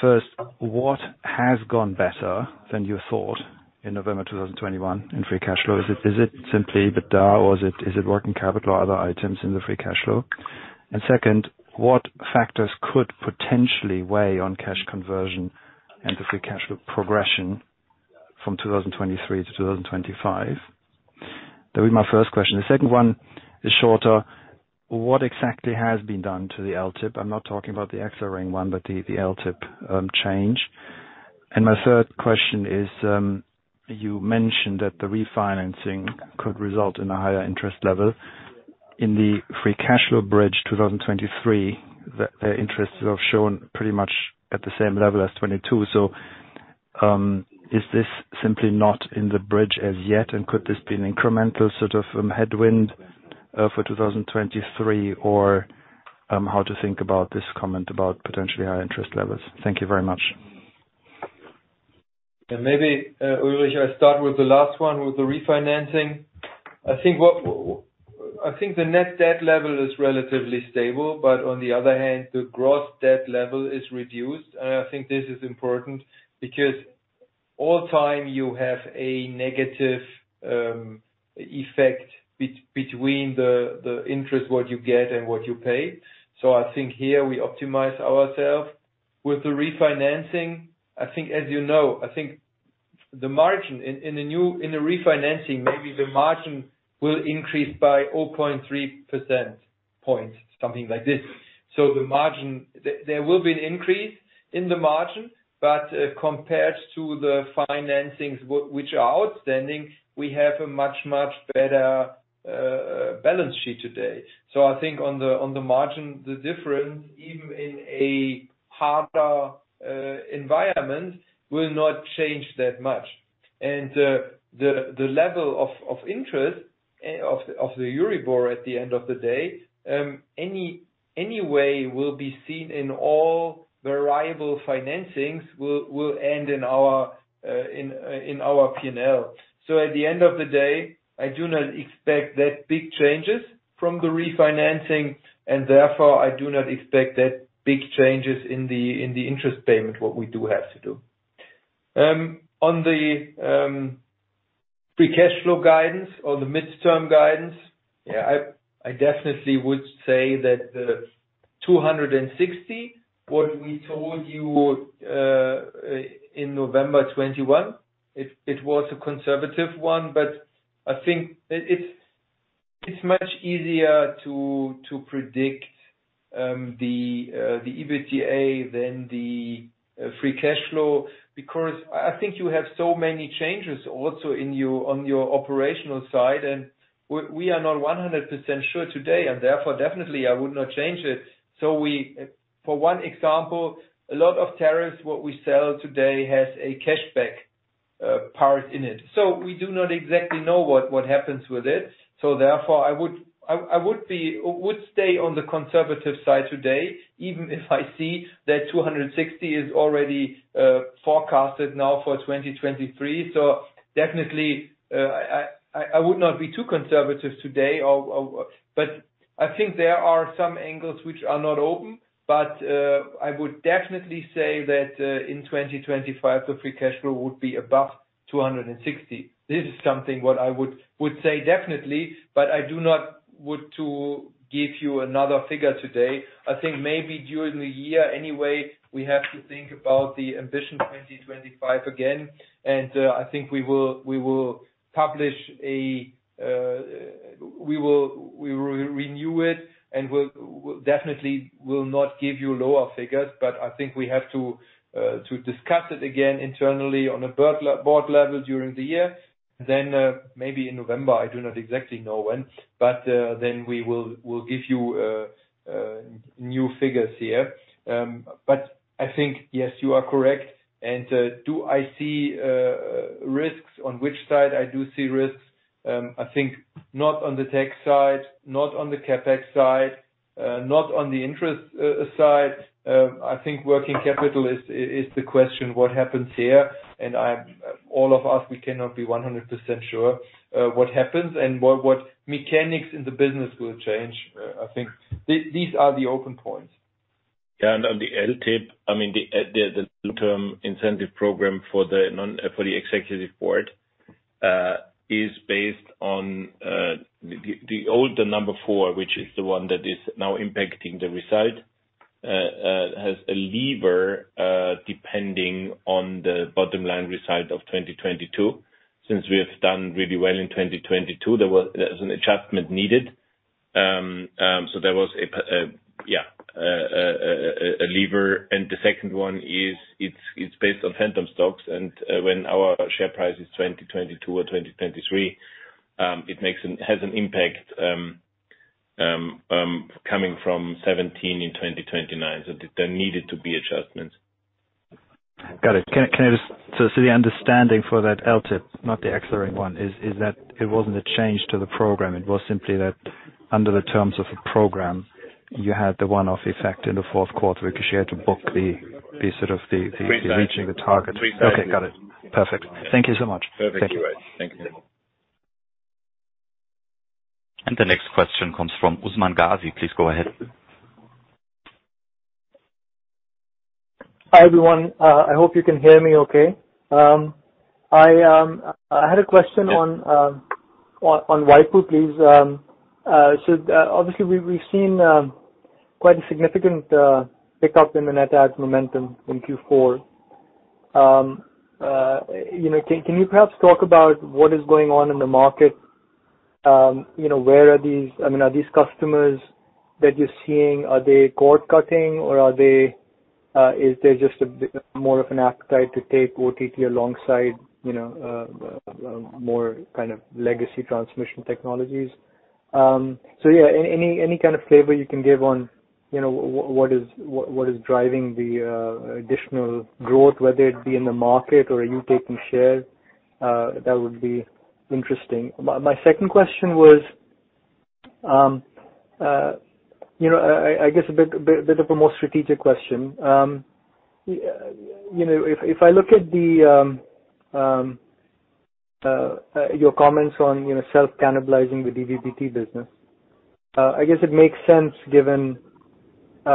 First, what has gone better than you thought in November 2021 in free cash flow? Is it simply the DA, or is it working capital or other items in the free cash flow? Second, what factors could potentially weigh on cash conversion and the free cash flow progression from 2023 to 2025? That'd be my first question. The second one is shorter. What exactly has been done to the LTIP? I'm not talking about the accelerating one, but the LTIP change. My third question is, you mentioned that the refinancing could result in a higher interest level. In the free cash flow bridge 2023, the interests have shown pretty much at the same level as 2022. Is this simply not in the bridge as yet? Could this be an incremental sort of headwind for 2023? How to think about this comment about potentially higher interest levels? Thank you very much. Maybe, Ulrich, I start with the last one, with the refinancing. I think the net debt level is relatively stable, but on the other hand, the gross debt level is reduced. I think this is important because all time you have a negative effect between the interest, what you get and what you pay. I think here we optimize ourselves. With the refinancing, I think, as you know, I think the margin in the refinancing, maybe the margin will increase by 0.3 percentage points, something like this. The margin, there will be an increase in the margin, but compared to the financings which are outstanding, we have a much, much better balance sheet today. I think on the margin, the difference, even in a harder, environment, will not change that much. The level of interest of the Euribor at the end of the day, any way will be seen in all the variable financings will end in our P&L. At the end of the day, I do not expect that big changes from the refinancing and therefore I do not expect that big changes in the interest payment, what we do have to do. On the free cash flow guidance or the midterm guidance, yeah, I definitely would say that 260, what we told you in November 2021, it was a conservative one, but I think it's much easier to predict the EBITDA than the free cash flow because I think you have so many changes also on your operational side and we are not 100% sure today and therefore definitely I would not change it. We, for one example, a lot of tariffs what we sell today has a cashback part in it. We do not exactly know what happens with it. Therefore I would stay on the conservative side today, even if I see that 260 is already forecasted now for 2023. Definitely, I would not be too conservative today or but I think there are some angles which are not open. I would definitely say that in 2025, the free cash flow would be above 260. This is something what I would say definitely, but I do not want to give you another figure today. I think maybe during the year anyway, we have to think about the ambition 2025 again. I think we will publish a, we will renew it and we'll definitely will not give you lower figures. I think we have to discuss it again internally on a board level during the year. Maybe in November, I do not exactly know when, then we will give you new figures here. I think, yes, you are correct. Do I see risks? On which side I do see risks? I think not on the tech side, not on the CapEx side, not on the interest side. I think working capital is the question, what happens here? All of us, we cannot be 100% sure what happens and what mechanics in the business will change. I think these are the open points. On the LTIP, I mean, the long-term incentive program for the executive board is based on the older number 4, which is the one that is now impacting the result, has a lever depending on the bottom line result of 2022. Since we have done really well in 2022, there was an adjustment needed. There was a yeah, a lever. The second one is, it's based on phantom stocks. When our share price is 2022 or 2023, it has an impact coming from 17 in 2029. There needed to be adjustments. Got it. Can I just? The understanding for that LTIP, not the accelerating one, is that it wasn't a change to the program, it was simply that under the terms of the program, you had the one-off effect in the fourth quarter because you had to book the sort of the. Three stages. reaching the target. Three stages. Okay. Got it. Perfect. Thank you so much. Perfect. Thank you. Thank you. The next question comes from Usman Ghazi. Please go ahead. Hi, everyone. I hope you can hear me okay. I had a question on on waipu.tv, please. Obviously we've seen quite a significant pickup in the net add momentum in Q4. You know, can you perhaps talk about what is going on in the market? You know, I mean, are these customers that you're seeing, are they cord cutting or are they, is there just more of an appetite to take OTT alongside, you know, more kind of legacy transmission technologies? Yeah, any, any kind of flavor you can give on, you know, what is driving the additional growth, whether it be in the market or are you taking shares? That would be interesting. My second question was, you know, I guess a bit of a more strategic question. You know, if I look at the your comments on, you know, self-cannibalizing the DVB-T business, I guess it makes sense given, you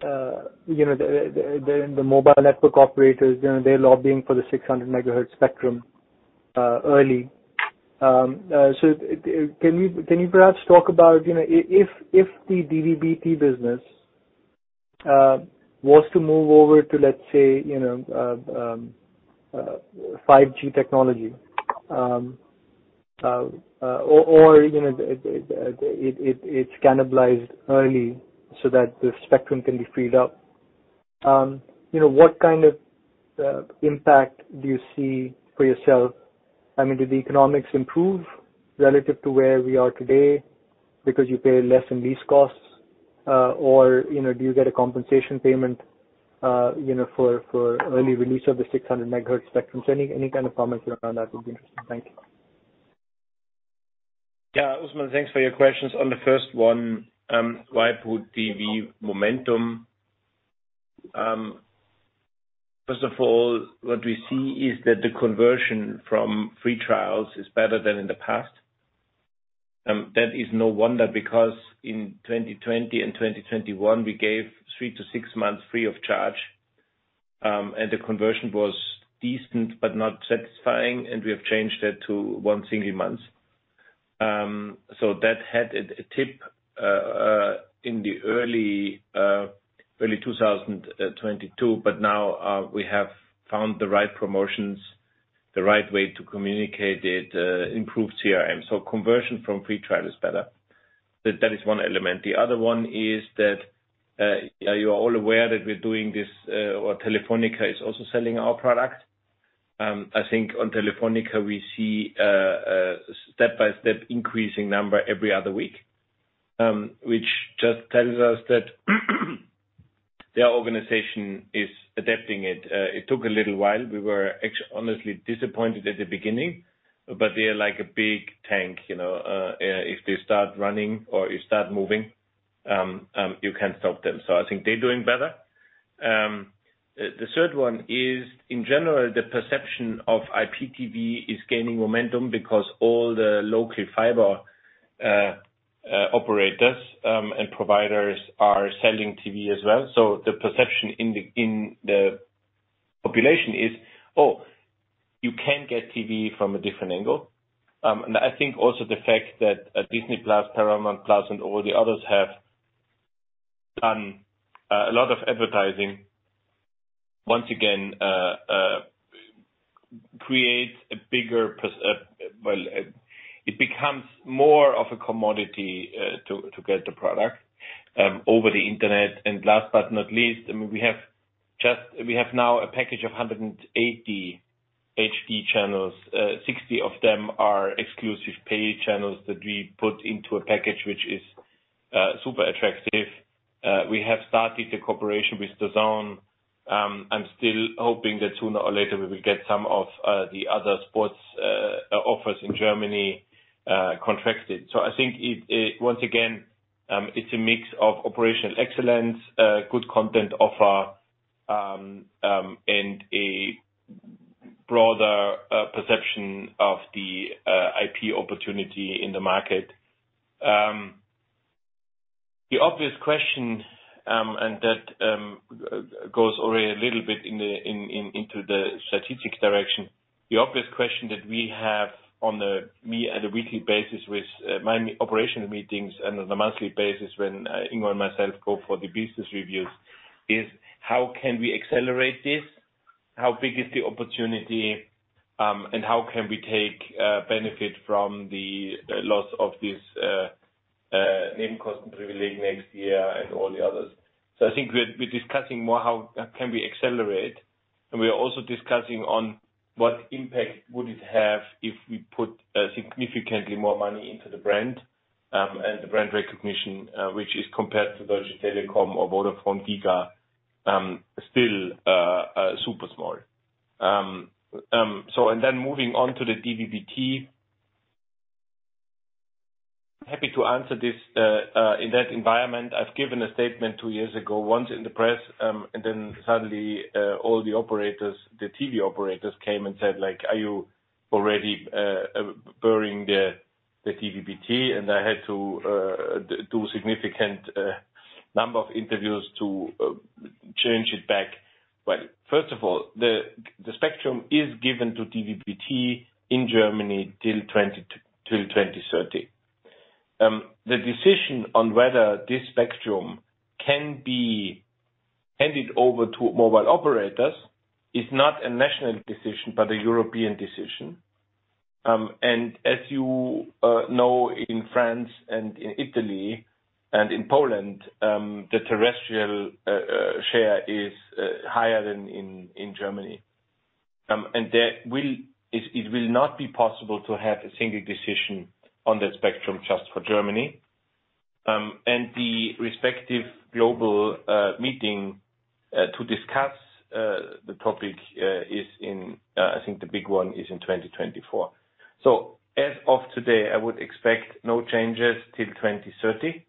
know, the mobile network operators, you know, they're lobbying for the 600 MHz spectrum early. Can you perhaps talk about, you know, if the DVB-T business was to move over to, let's say, you know, 5G technology, or, you know, it's cannibalized early so that the spectrum can be freed up, you know, what kind of impact do you see for yourself? I mean, do the economics improve relative to where we are today because you pay less in lease costs, or, you know, do you get a compensation payment, you know, for early release of the 600 MHz spectrum? Any kind of comments around that would be interesting. Thank you. Usman, thanks for your questions. On the first one, waipu.tv momentum? First of all, what we see is that the conversion from free trials is better than in the past. That is no wonder because in 2020 and 2021 we gave 3-6 months free of charge, the conversion was decent but not satisfying, and we have changed that to 1 single month. That had a tip in the early 2022, but now we have found the right promotions, the right way to communicate it, improve CRM. Conversion from free trial is better. That is one element. The other one is that you are all aware that we're doing this, or Telefónica is also selling our product. I think on Telefónica we see a step-by-step increasing number every other week, which just tells us that their organization is adapting it. It took a little while. We were honestly disappointed at the beginning, but they're like a big tank, you know. If they start running or you start moving, you can't stop them. I think they're doing better. The third one is, in general, the perception of IPTV is gaining momentum because all the local fiber operators and providers are selling TV as well. The perception in the population is, "Oh, you can get TV from a different angle." I think also the fact that Disney+, Paramount+, and all the others have done a lot of advertising once again, creates a bigger well, it becomes more of a commodity to get the product over the Internet. Last but not least, I mean, we have now a package of 180 HD channels. 60 of them are exclusive pay channels that we put into a package which is super attractive. We have started a cooperation with DAZN. I'm still hoping that sooner or later we will get some of the other sports offers in Germany contracted. I think Once again, it's a mix of operational excellence, a good content offer, and a broader perception of the IP opportunity in the market. The obvious question, and that goes already a little bit into the strategic direction. The obvious question that we have at a weekly basis with my operational meetings and on a monthly basis when Ingo and myself go for the business reviews is: How can we accelerate this? How big is the opportunity? And how can we take benefit from the loss of this next year and all the others? I think we're discussing more how can we accelerate, and we are also discussing on what impact would it have if we put significantly more money into the brand and the brand recognition, which is compared to Deutsche Telekom or Vodafone, still super small. Moving on to the DVB-T. Happy to answer this. In that environment, I've given a statement 2 years ago, once in the press, suddenly all the operators, the TV operators came and said, like, "Are you already burying the DVB-T?" I had to do significant number of interviews to change it back. First of all, the spectrum is given to DVB-T in Germany till 2030. The decision on whether this spectrum can be handed over to mobile operators is not a national decision, but a European decision. As you know, in France and in Italy and in Poland, the terrestrial share is higher than in Germany. It will not be possible to have a single decision on that spectrum just for Germany. The respective global meeting to discuss the topic is in, I think the big one is in 2024. As of today, I would expect no changes till 2030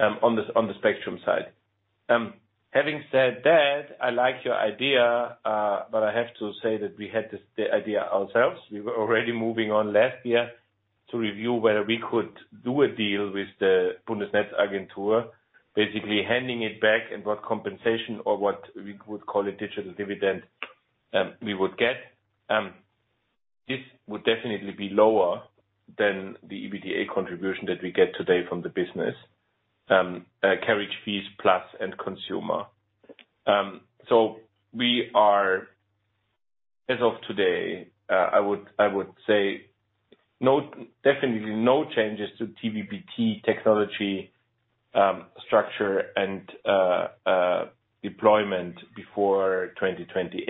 on the spectrum side. Having said that, I like your idea, but I have to say that we had the idea ourselves. We were already moving on last year to review whether we could do a deal with the Bundesnetzagentur, basically handing it back and what compensation or what we would call a digital dividend, we would get. This would definitely be lower than the EBITDA contribution that we get today from the business, carriage fees plus end consumer. We are, as of today, definitely no changes to DVB-T technology, structure and deployment before 2028.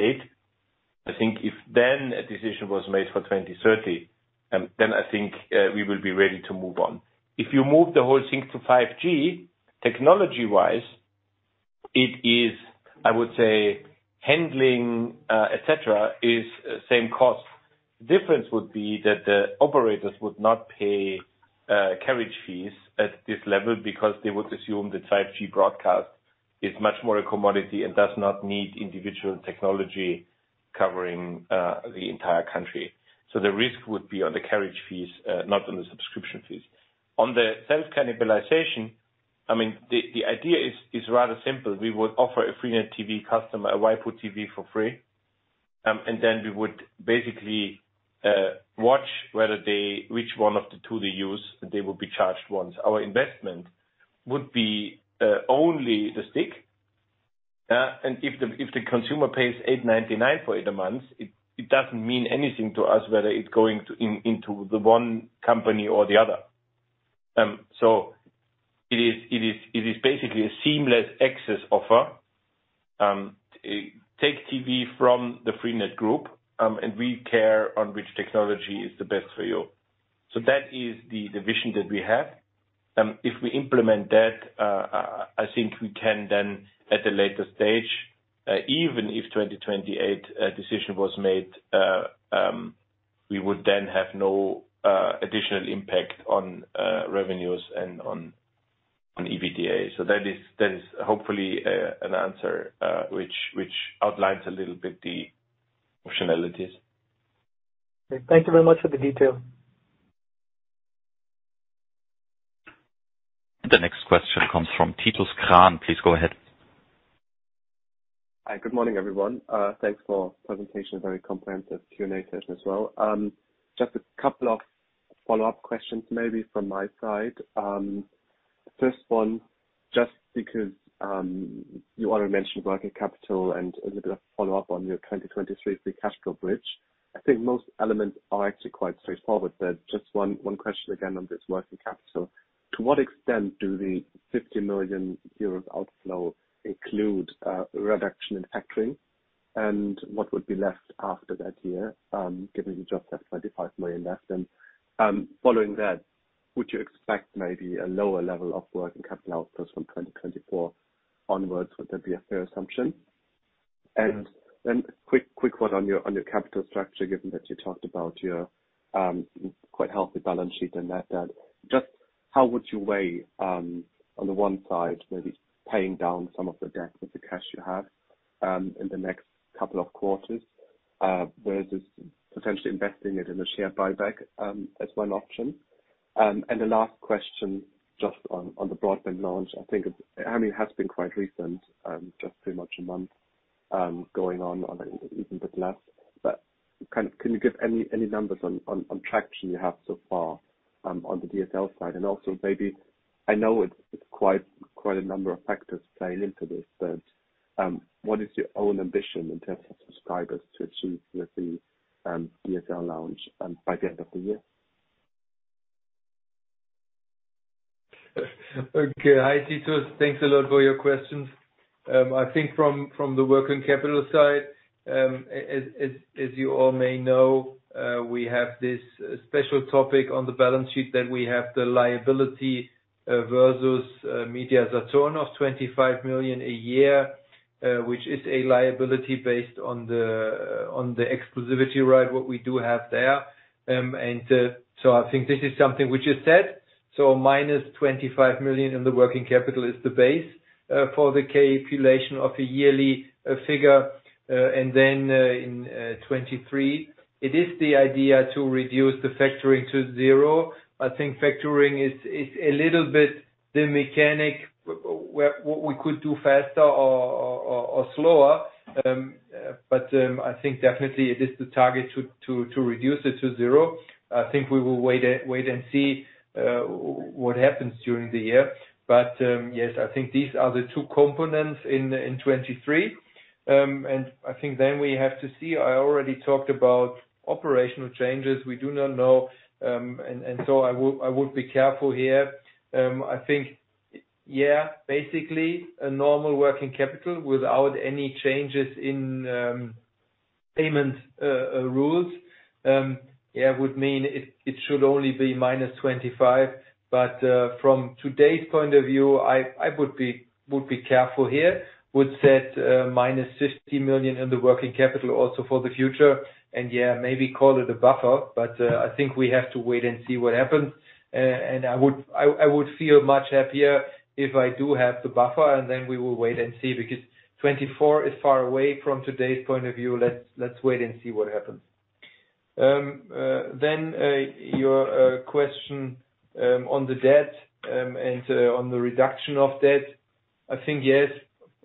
I think if then a decision was made for 2030, I think we will be ready to move on. If you move the whole thing to 5G, technology-wise, it is, I would say, handling, et cetera, is same cost. Difference would be that the operators would not pay carriage fees at this level because they would assume the 5G broadcast is much more a commodity and does not need individual technology covering the entire country. The risk would be on the carriage fees, not on the subscription fees. On the sales cannibalization, I mean, the idea is rather simple. We would offer a freenet TV customer a waipu.tv for free, we would basically watch whether which one of the two they use, and they will be charged once. Our investment would be only the stick. If the consumer pays 8.99 for it a month, it doesn't mean anything to us whether it's going into the one company or the other. It is basically a seamless access offer. Take TV from the freenet Group, and we care on which technology is the best for you. That is the vision that we have. If we implement that, I think we can then, at a later stage, even if 2028 a decision was made, we would then have no additional impact on revenues and on EBITDA. That is hopefully an answer which outlines a little bit the functionalities. Thank you very much for the detail. The next question comes from Titus Krahn. Please go ahead. Hi, good morning, everyone. Thanks for presentation. Very comprehensive Q&A session as well. Just a couple of follow-up questions maybe from my side. First one, just because you already mentioned working capital and a little bit of follow-up on your 2023 free cash flow bridge. I think most elements are actually quite straightforward, but just one question again on this working capital. To what extent do the 50 million euros outflow include reduction in factoring? What would be left after that year, given you just have 25 million left then? Following that, would you expect maybe a lower level of working capital outflows from 2024 onwards? Would that be a fair assumption? Then quick one on your capital structure, given that you talked about your quite healthy balance sheet and net debt. Just how would you weigh on the one side, maybe paying down some of the debt with the cash you have in the next couple of quarters versus potentially investing it in a share buyback as one option? The last question, just on the broadband launch, I mean, it has been quite recent, just pretty much a month going on, or even bit less. Can you give any numbers on traction you have so far on the DSL side? Also maybe, I know it's quite a number of factors playing into this, but what is your own ambition in terms of subscribers to achieve with the DSL launch by the end of the year? Okay. Hi, Titus. Thanks a lot for your questions. I think from the working capital side, as you all may know, we have this special topic on the balance sheet that we have the liability versus MediaMarktSaturn of 25 million a year, which is a liability based on the exclusivity right, what we do have there. I think this is something which is set. -25 million in the working capital is the base for the calculation of a yearly figure. In 2023, it is the idea to reduce the factoring to 0. I think factoring is a little bit the mechanic what we could do faster or slower. I think definitely it is the target to reduce it to zero. I think we will wait and see what happens during the year. Yes, I think these are the two components in 2023. And I think then we have to see. I already talked about operational changes. We do not know. And so I would be careful here. I think basically a normal working capital without any changes in payment rules would mean it should only be minus 25 million. From today's point of view, I would be careful here. Would set minus 50 million in the working capital also for the future. Yeah, maybe call it a buffer, but I think we have to wait and see what happens. I would feel much happier if I do have the buffer, and then we will wait and see, because 2024 is far away from today's point of view. Let's, let's wait and see what happens. Your question on the debt and on the reduction of debt. I think yes.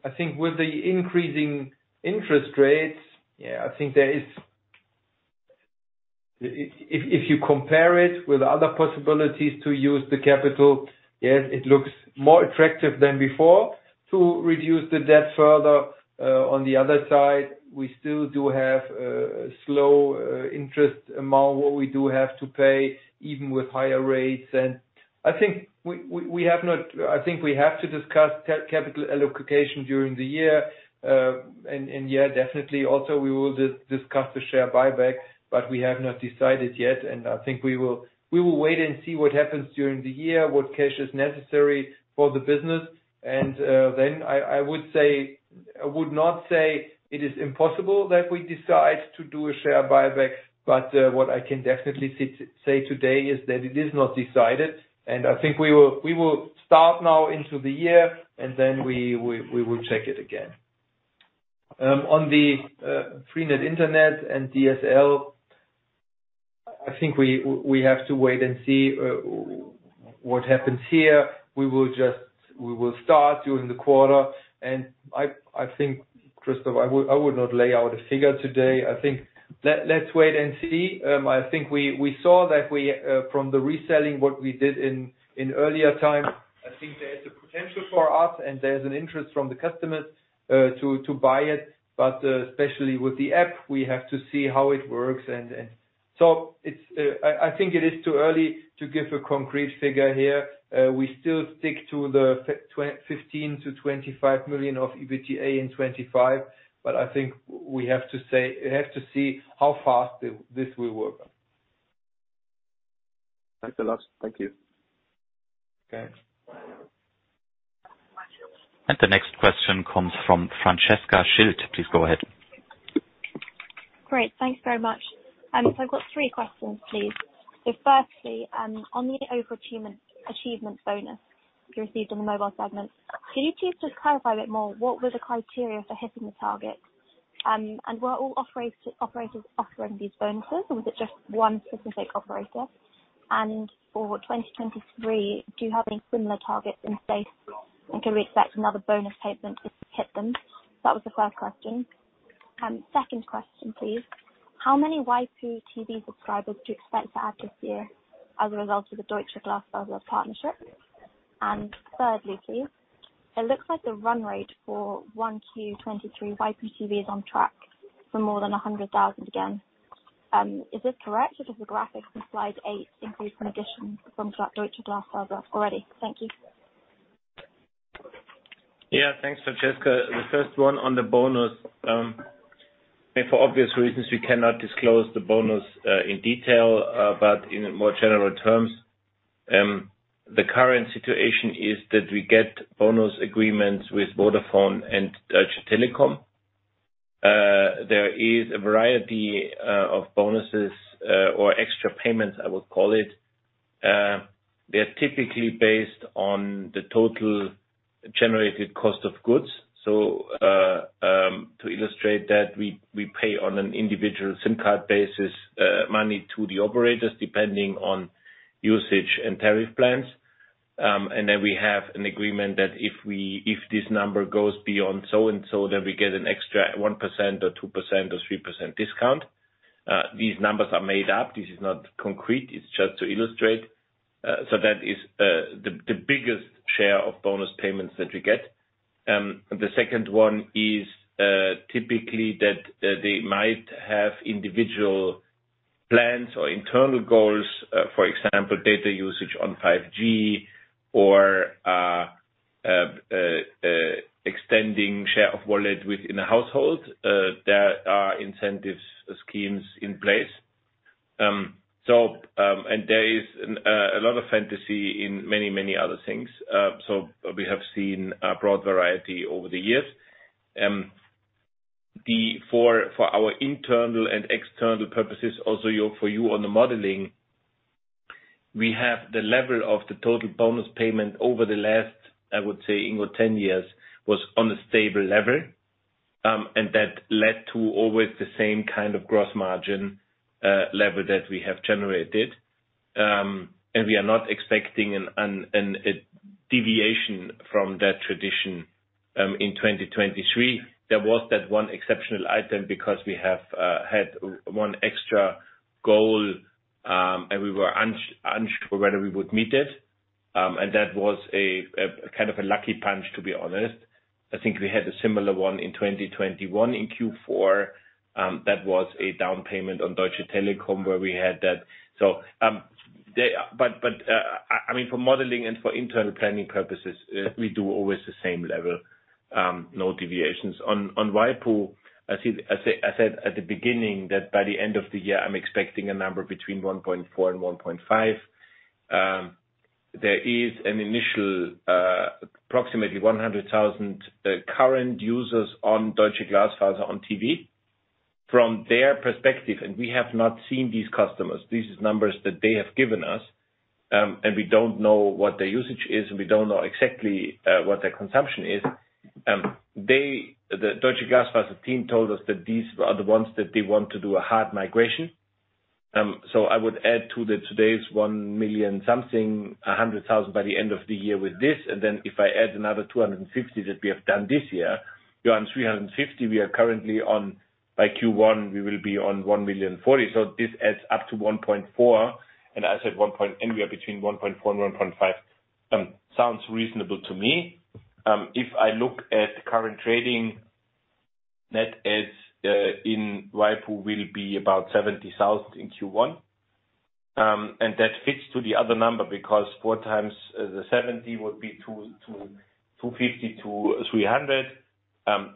I think with the increasing interest rates, yeah, I think there is if you compare it with other possibilities to use the capital, yes, it looks more attractive than before to reduce the debt further. On the other side, we still do have a slow interest amount what we do have to pay, even with higher rates. I think we have not. I think we have to discuss capital allocation during the year. And yeah, definitely also we will discuss the share buyback, but we have not decided yet, and I think we will wait and see what happens during the year, what cash is necessary for the business. Then I would say... I would not say it is impossible that we decide to do a share buyback, but what I can definitely say today is that it is not decided, and I think we will start now into the year, and then we will check it again. On the freenet Internet and DSL, I think we have to wait and see what happens here. We will start during the quarter. I think, Christoph, I would not lay out a figure today. I think let's wait and see. I think we saw that we from the reselling what we did in earlier times, I think there is a potential for us and there's an interest from the customers to buy it. Especially with the app, we have to see how it works and. It's, I think it is too early to give a concrete figure here. We still stick to the 15 million-25 million of EBITDA in 2025, but I think we have to see how fast this will work. Thanks, Lars. Thank you. Okay. The next question comes from Francesca Schild. Please go ahead. Great. Thanks very much. I've got three questions, please. Firstly, on the overachievement, achievements bonus you received in the mobile segment, can you please just clarify a bit more, what were the criteria for hitting the targets? Were all operators offering these bonuses or was it just one specific operator? For 2023, do you have any similar targets in place, and can we expect another bonus payment if you hit them? That was the first question. Second question, please. How many waipu.tv subscribers do you expect to add this year as a result of the Deutsche Glasfaser partnership? Thirdly, please, it looks like the run rate for 1Q 2023 waipu.tv is on track for more than 100,000 again. Is this correct, or does the graphics on slide 8 include an addition from Deutsche Glasfaser already? Thank you. Yeah. Thanks, Francesca. The first one on the bonus, for obvious reasons, we cannot disclose the bonus in detail, but in more general terms, the current situation is that we get bonus agreements with Vodafone and Deutsche Telekom. There is a variety of bonuses or extra payments, I would call it. They're typically based on the total generated cost of goods. To illustrate that, we pay on an individual SIM card basis, money to the operators depending on usage and tariff plans. Then we have an agreement that if this number goes beyond so and so, then we get an extra 1% or 2% or 3% discount. These numbers are made up. This is not concrete. It's just to illustrate. That is the biggest share of bonus payments that we get. The second one is typically that they might have individual plans or internal goals, for example, data usage on 5G or extending share of wallet within a household, there are incentives schemes in place. And there is a lot of fantasy in many other things. We have seen a broad variety over the years. For our internal and external purposes, also for you on the modeling, we have the level of the total bonus payment over the last, I would say, in what, 10 years, was on a stable level, and that led to always the same kind of gross margin level that we have generated. We are not expecting a deviation from that tradition in 2023. There was that 1 exceptional item because we have had 1 extra goal, and we were unsure whether we would meet it. That was a kind of a lucky punch, to be honest. I think we had a similar 1 in 2021 in Q4, that was a down payment on Deutsche Telekom, where we had that. They... But, I mean, for modeling and for internal planning purposes, we do always the same level, no deviations. On waipu, I said at the beginning that by the end of the year, I'm expecting a number between 1.4 and 1.5. There is an initial approximately 100,000 current users on Deutsche Glasfaser on TV. From their perspective, we have not seen these customers, these numbers that they have given us, and we don't know what their usage is, and we don't know exactly what their consumption is. They, the Deutsche Glasfaser team told us that these are the ones that they want to do a hard migration. I would add to the today's 1 million something, 100,000 by the end of the year with this, and then if I add another 250 that we have done this year, you're on 350. We are currently on, by Q1, we will be on 1,040,000. This adds up to 1.4. As I said 1 point... We are between 1.4 and 1.5. Sounds reasonable to me. If I look at current trading, net adds in waipu will be about 70,000 in Q1. That fits to the other number because 4 times the 70 would be 250-300,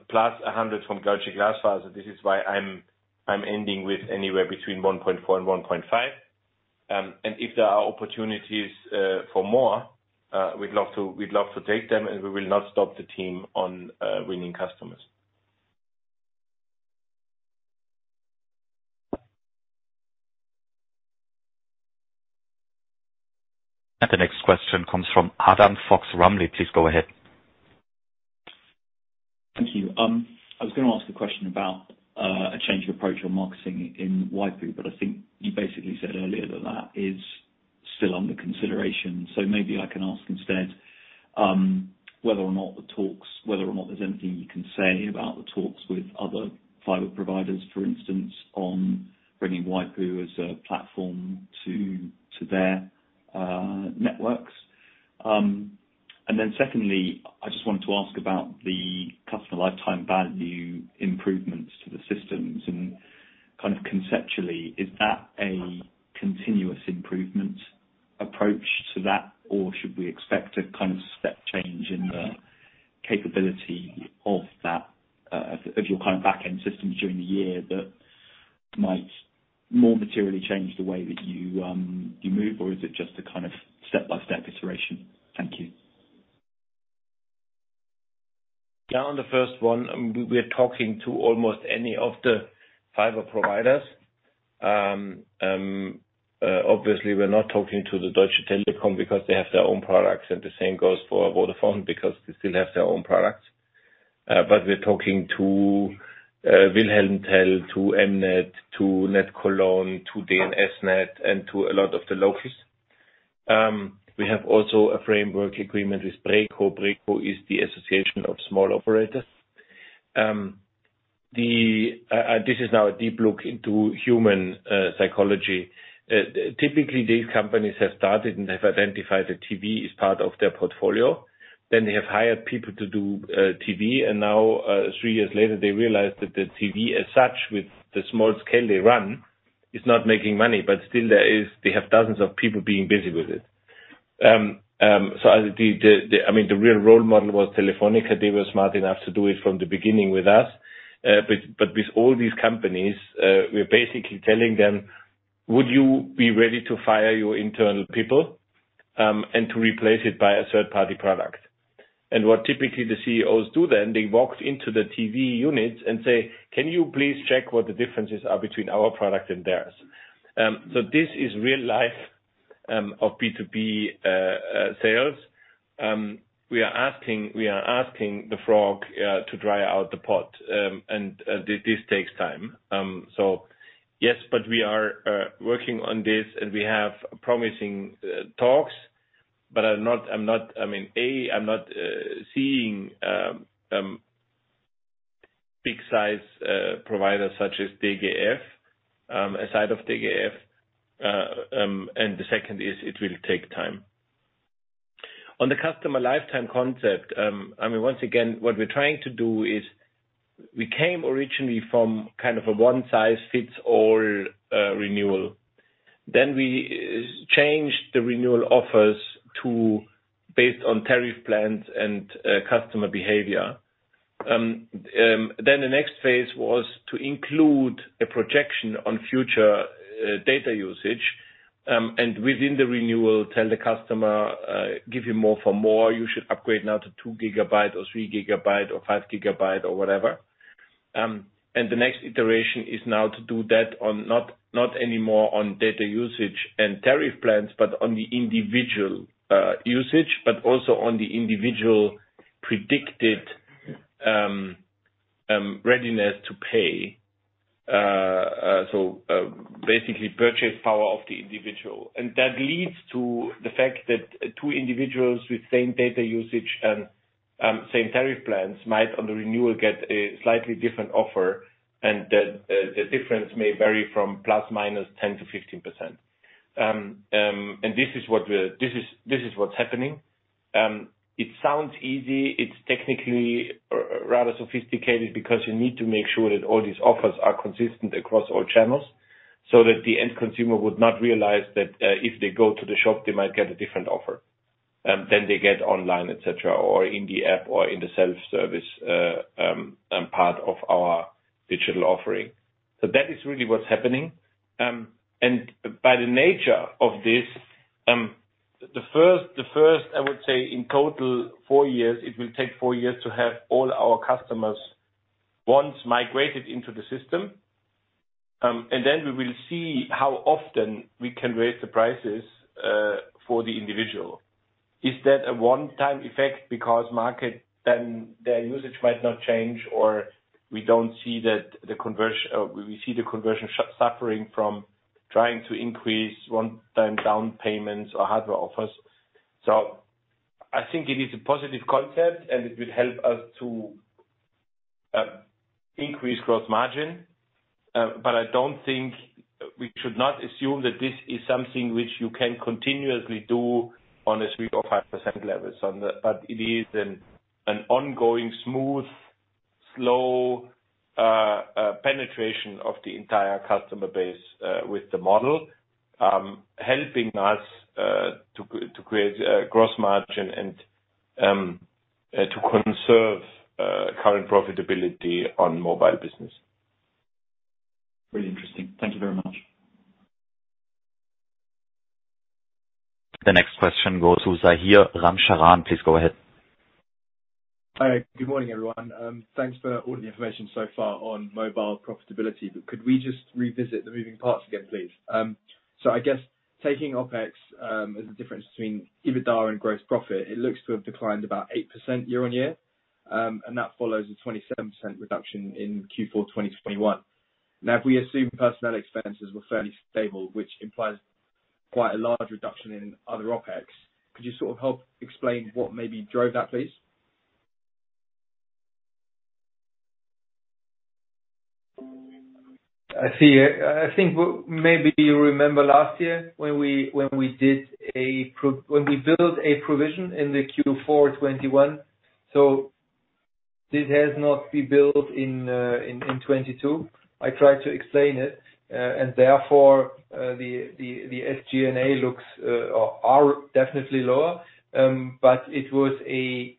plus 100 from Deutsche Glasfaser. This is why I'm ending with anywhere between 1.4 and 1.5. If there are opportunities for more, we'd love to take them, and we will not stop the team on winning customers. The next question comes from Adam Fox-Rumley. Please go ahead. Thank you. I was gonna ask a question about a change of approach on marketing in waipu, but I think you basically said earlier that that is still under consideration. Maybe I can ask instead, whether or not there's anything you can say about the talks with other fiber providers, for instance, on bringing waipu as a platform to their networks. Then secondly, I just wanted to ask about the customer lifetime value improvements to the systems. Kind of conceptually, is that a continuous improvement approach to that, or should we expect a kind of step change in the capability of that, of your kind of back-end systems during the year that might more materially change the way that you move? Or is it just a kind of step-by-step iteration? Thank you. On the first one, we're talking to almost any of the fiber providers. Obviously we're not talking to Deutsche Telekom because they have their own products, and the same goes for Vodafone because they still have their own products. We're talking to wilhelm.tel GmbH, to M-net, to NetCologne, to DNS:NET, and to a lot of the locals. We have also a framework agreement with BREKO. BREKO is the association of small operators. This is now a deep look into human psychology. Typically, these companies have started and have identified that TV is part of their portfolio. They have hired people to do TV. Now, 3 years later, they realize that the TV as such, with the small scale they run, is not making money. Still they have dozens of people being busy with it. I mean, the real role model was Telefónica. They were smart enough to do it from the beginning with us. With all these companies, we're basically telling them, "Would you be ready to fire your internal people and to replace it by a third-party product?" What typically the CEOs do then, they walk into the TV units and say, "Can you please check what the differences are between our product and theirs?" This is real life of B2B sales. We are asking, we are asking the frog to dry out the pot, and this takes time. Yes, but we are working on this, and we have promising talks. I'm not, I mean, A, I'm not seeing big size providers such as DGF aside of DGF. The second is it will take time. On the customer lifetime concept, I mean, once again, what we're trying to do is we came originally from kind of a one-size-fits-all renewal. We changed the renewal offers to based on tariff plans and customer behavior. The next phase was to include a projection on future data usage, within the renewal, tell the customer, "Give you more for more. You should upgrade now to 2 GB or 3 GB or 5 GB or whatever. The next iteration is now to do that on not anymore on data usage and tariff plans, but on the individual usage, but also on the individual predicted readiness to pay. Basically purchase power of the individual. That leads to the fact that two individuals with same data usage and same tariff plans might, on the renewal, get a slightly different offer. The difference may vary from ±10%-15%. This is what's happening. It sounds easy. It's technically rather sophisticated because you need to make sure that all these offers are consistent across all channels, so that the end consumer would not realize that if they go to the shop, they might get a different offer than they get online, et cetera, or in the app or in the self-service part of our digital offering. That is really what's happening. By the nature of this, the first, I would say, in total 4 years, it will take 4 years to have all our customers once migrated into the system. Then we will see how often we can raise the prices for the individual. Is that a one-time effect because market, then their usage might not change, or we don't see that we see the conversion suffering from trying to increase one-time down payments or hardware offers. I think it is a positive concept, and it will help us to increase gross margin. I don't think we should not assume that this is something which you can continuously do on a 3% or 5% level. It is an ongoing, smooth, slow penetration of the entire customer base with the model, helping us to create gross margin and to conserve current profitability on mobile business. Very interesting. Thank you very much. The next question goes to Zahir Ramcharan. Please go ahead. Hi. Good morning, everyone. Thanks for all the information so far on mobile profitability, could we just revisit the moving parts again, please? I guess taking OpEx as the difference between EBITDA and gross profit, it looks to have declined about 8% year-on-year. That follows a 27% reduction in Q4 2020 to 2021. Now, if we assume personnel expenses were fairly stable, which implies quite a large reduction in other OpEx, could you sort of help explain what maybe drove that, please? I see. I think maybe you remember last year when we built a provision in the Q4 2021. This has not been built in 2022. I tried to explain it. Therefore, the SG&A looks or are definitely lower. It was a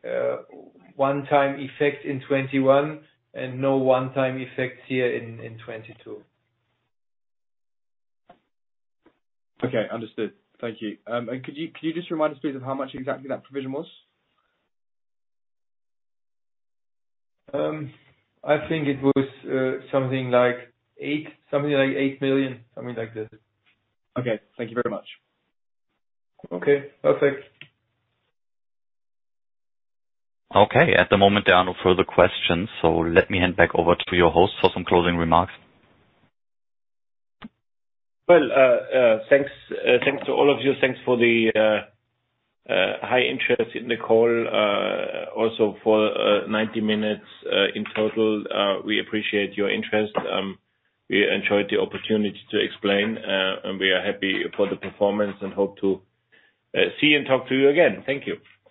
one time effect in 2021 and no one time effects here in 2022. Okay, understood. Thank you. Could you just remind us, please, of how much exactly that provision was? I think it was, something like 8 million, something like this. Okay. Thank you very much. Okay. Perfect. Okay. At the moment, there are no further questions. Let me hand back over to your host for some closing remarks. Well, thanks to all of you. Thanks for the high interest in the call, also for 90 minutes in total. We appreciate your interest. We enjoyed the opportunity to explain, and we are happy for the performance and hope to see and talk to you again. Thank you.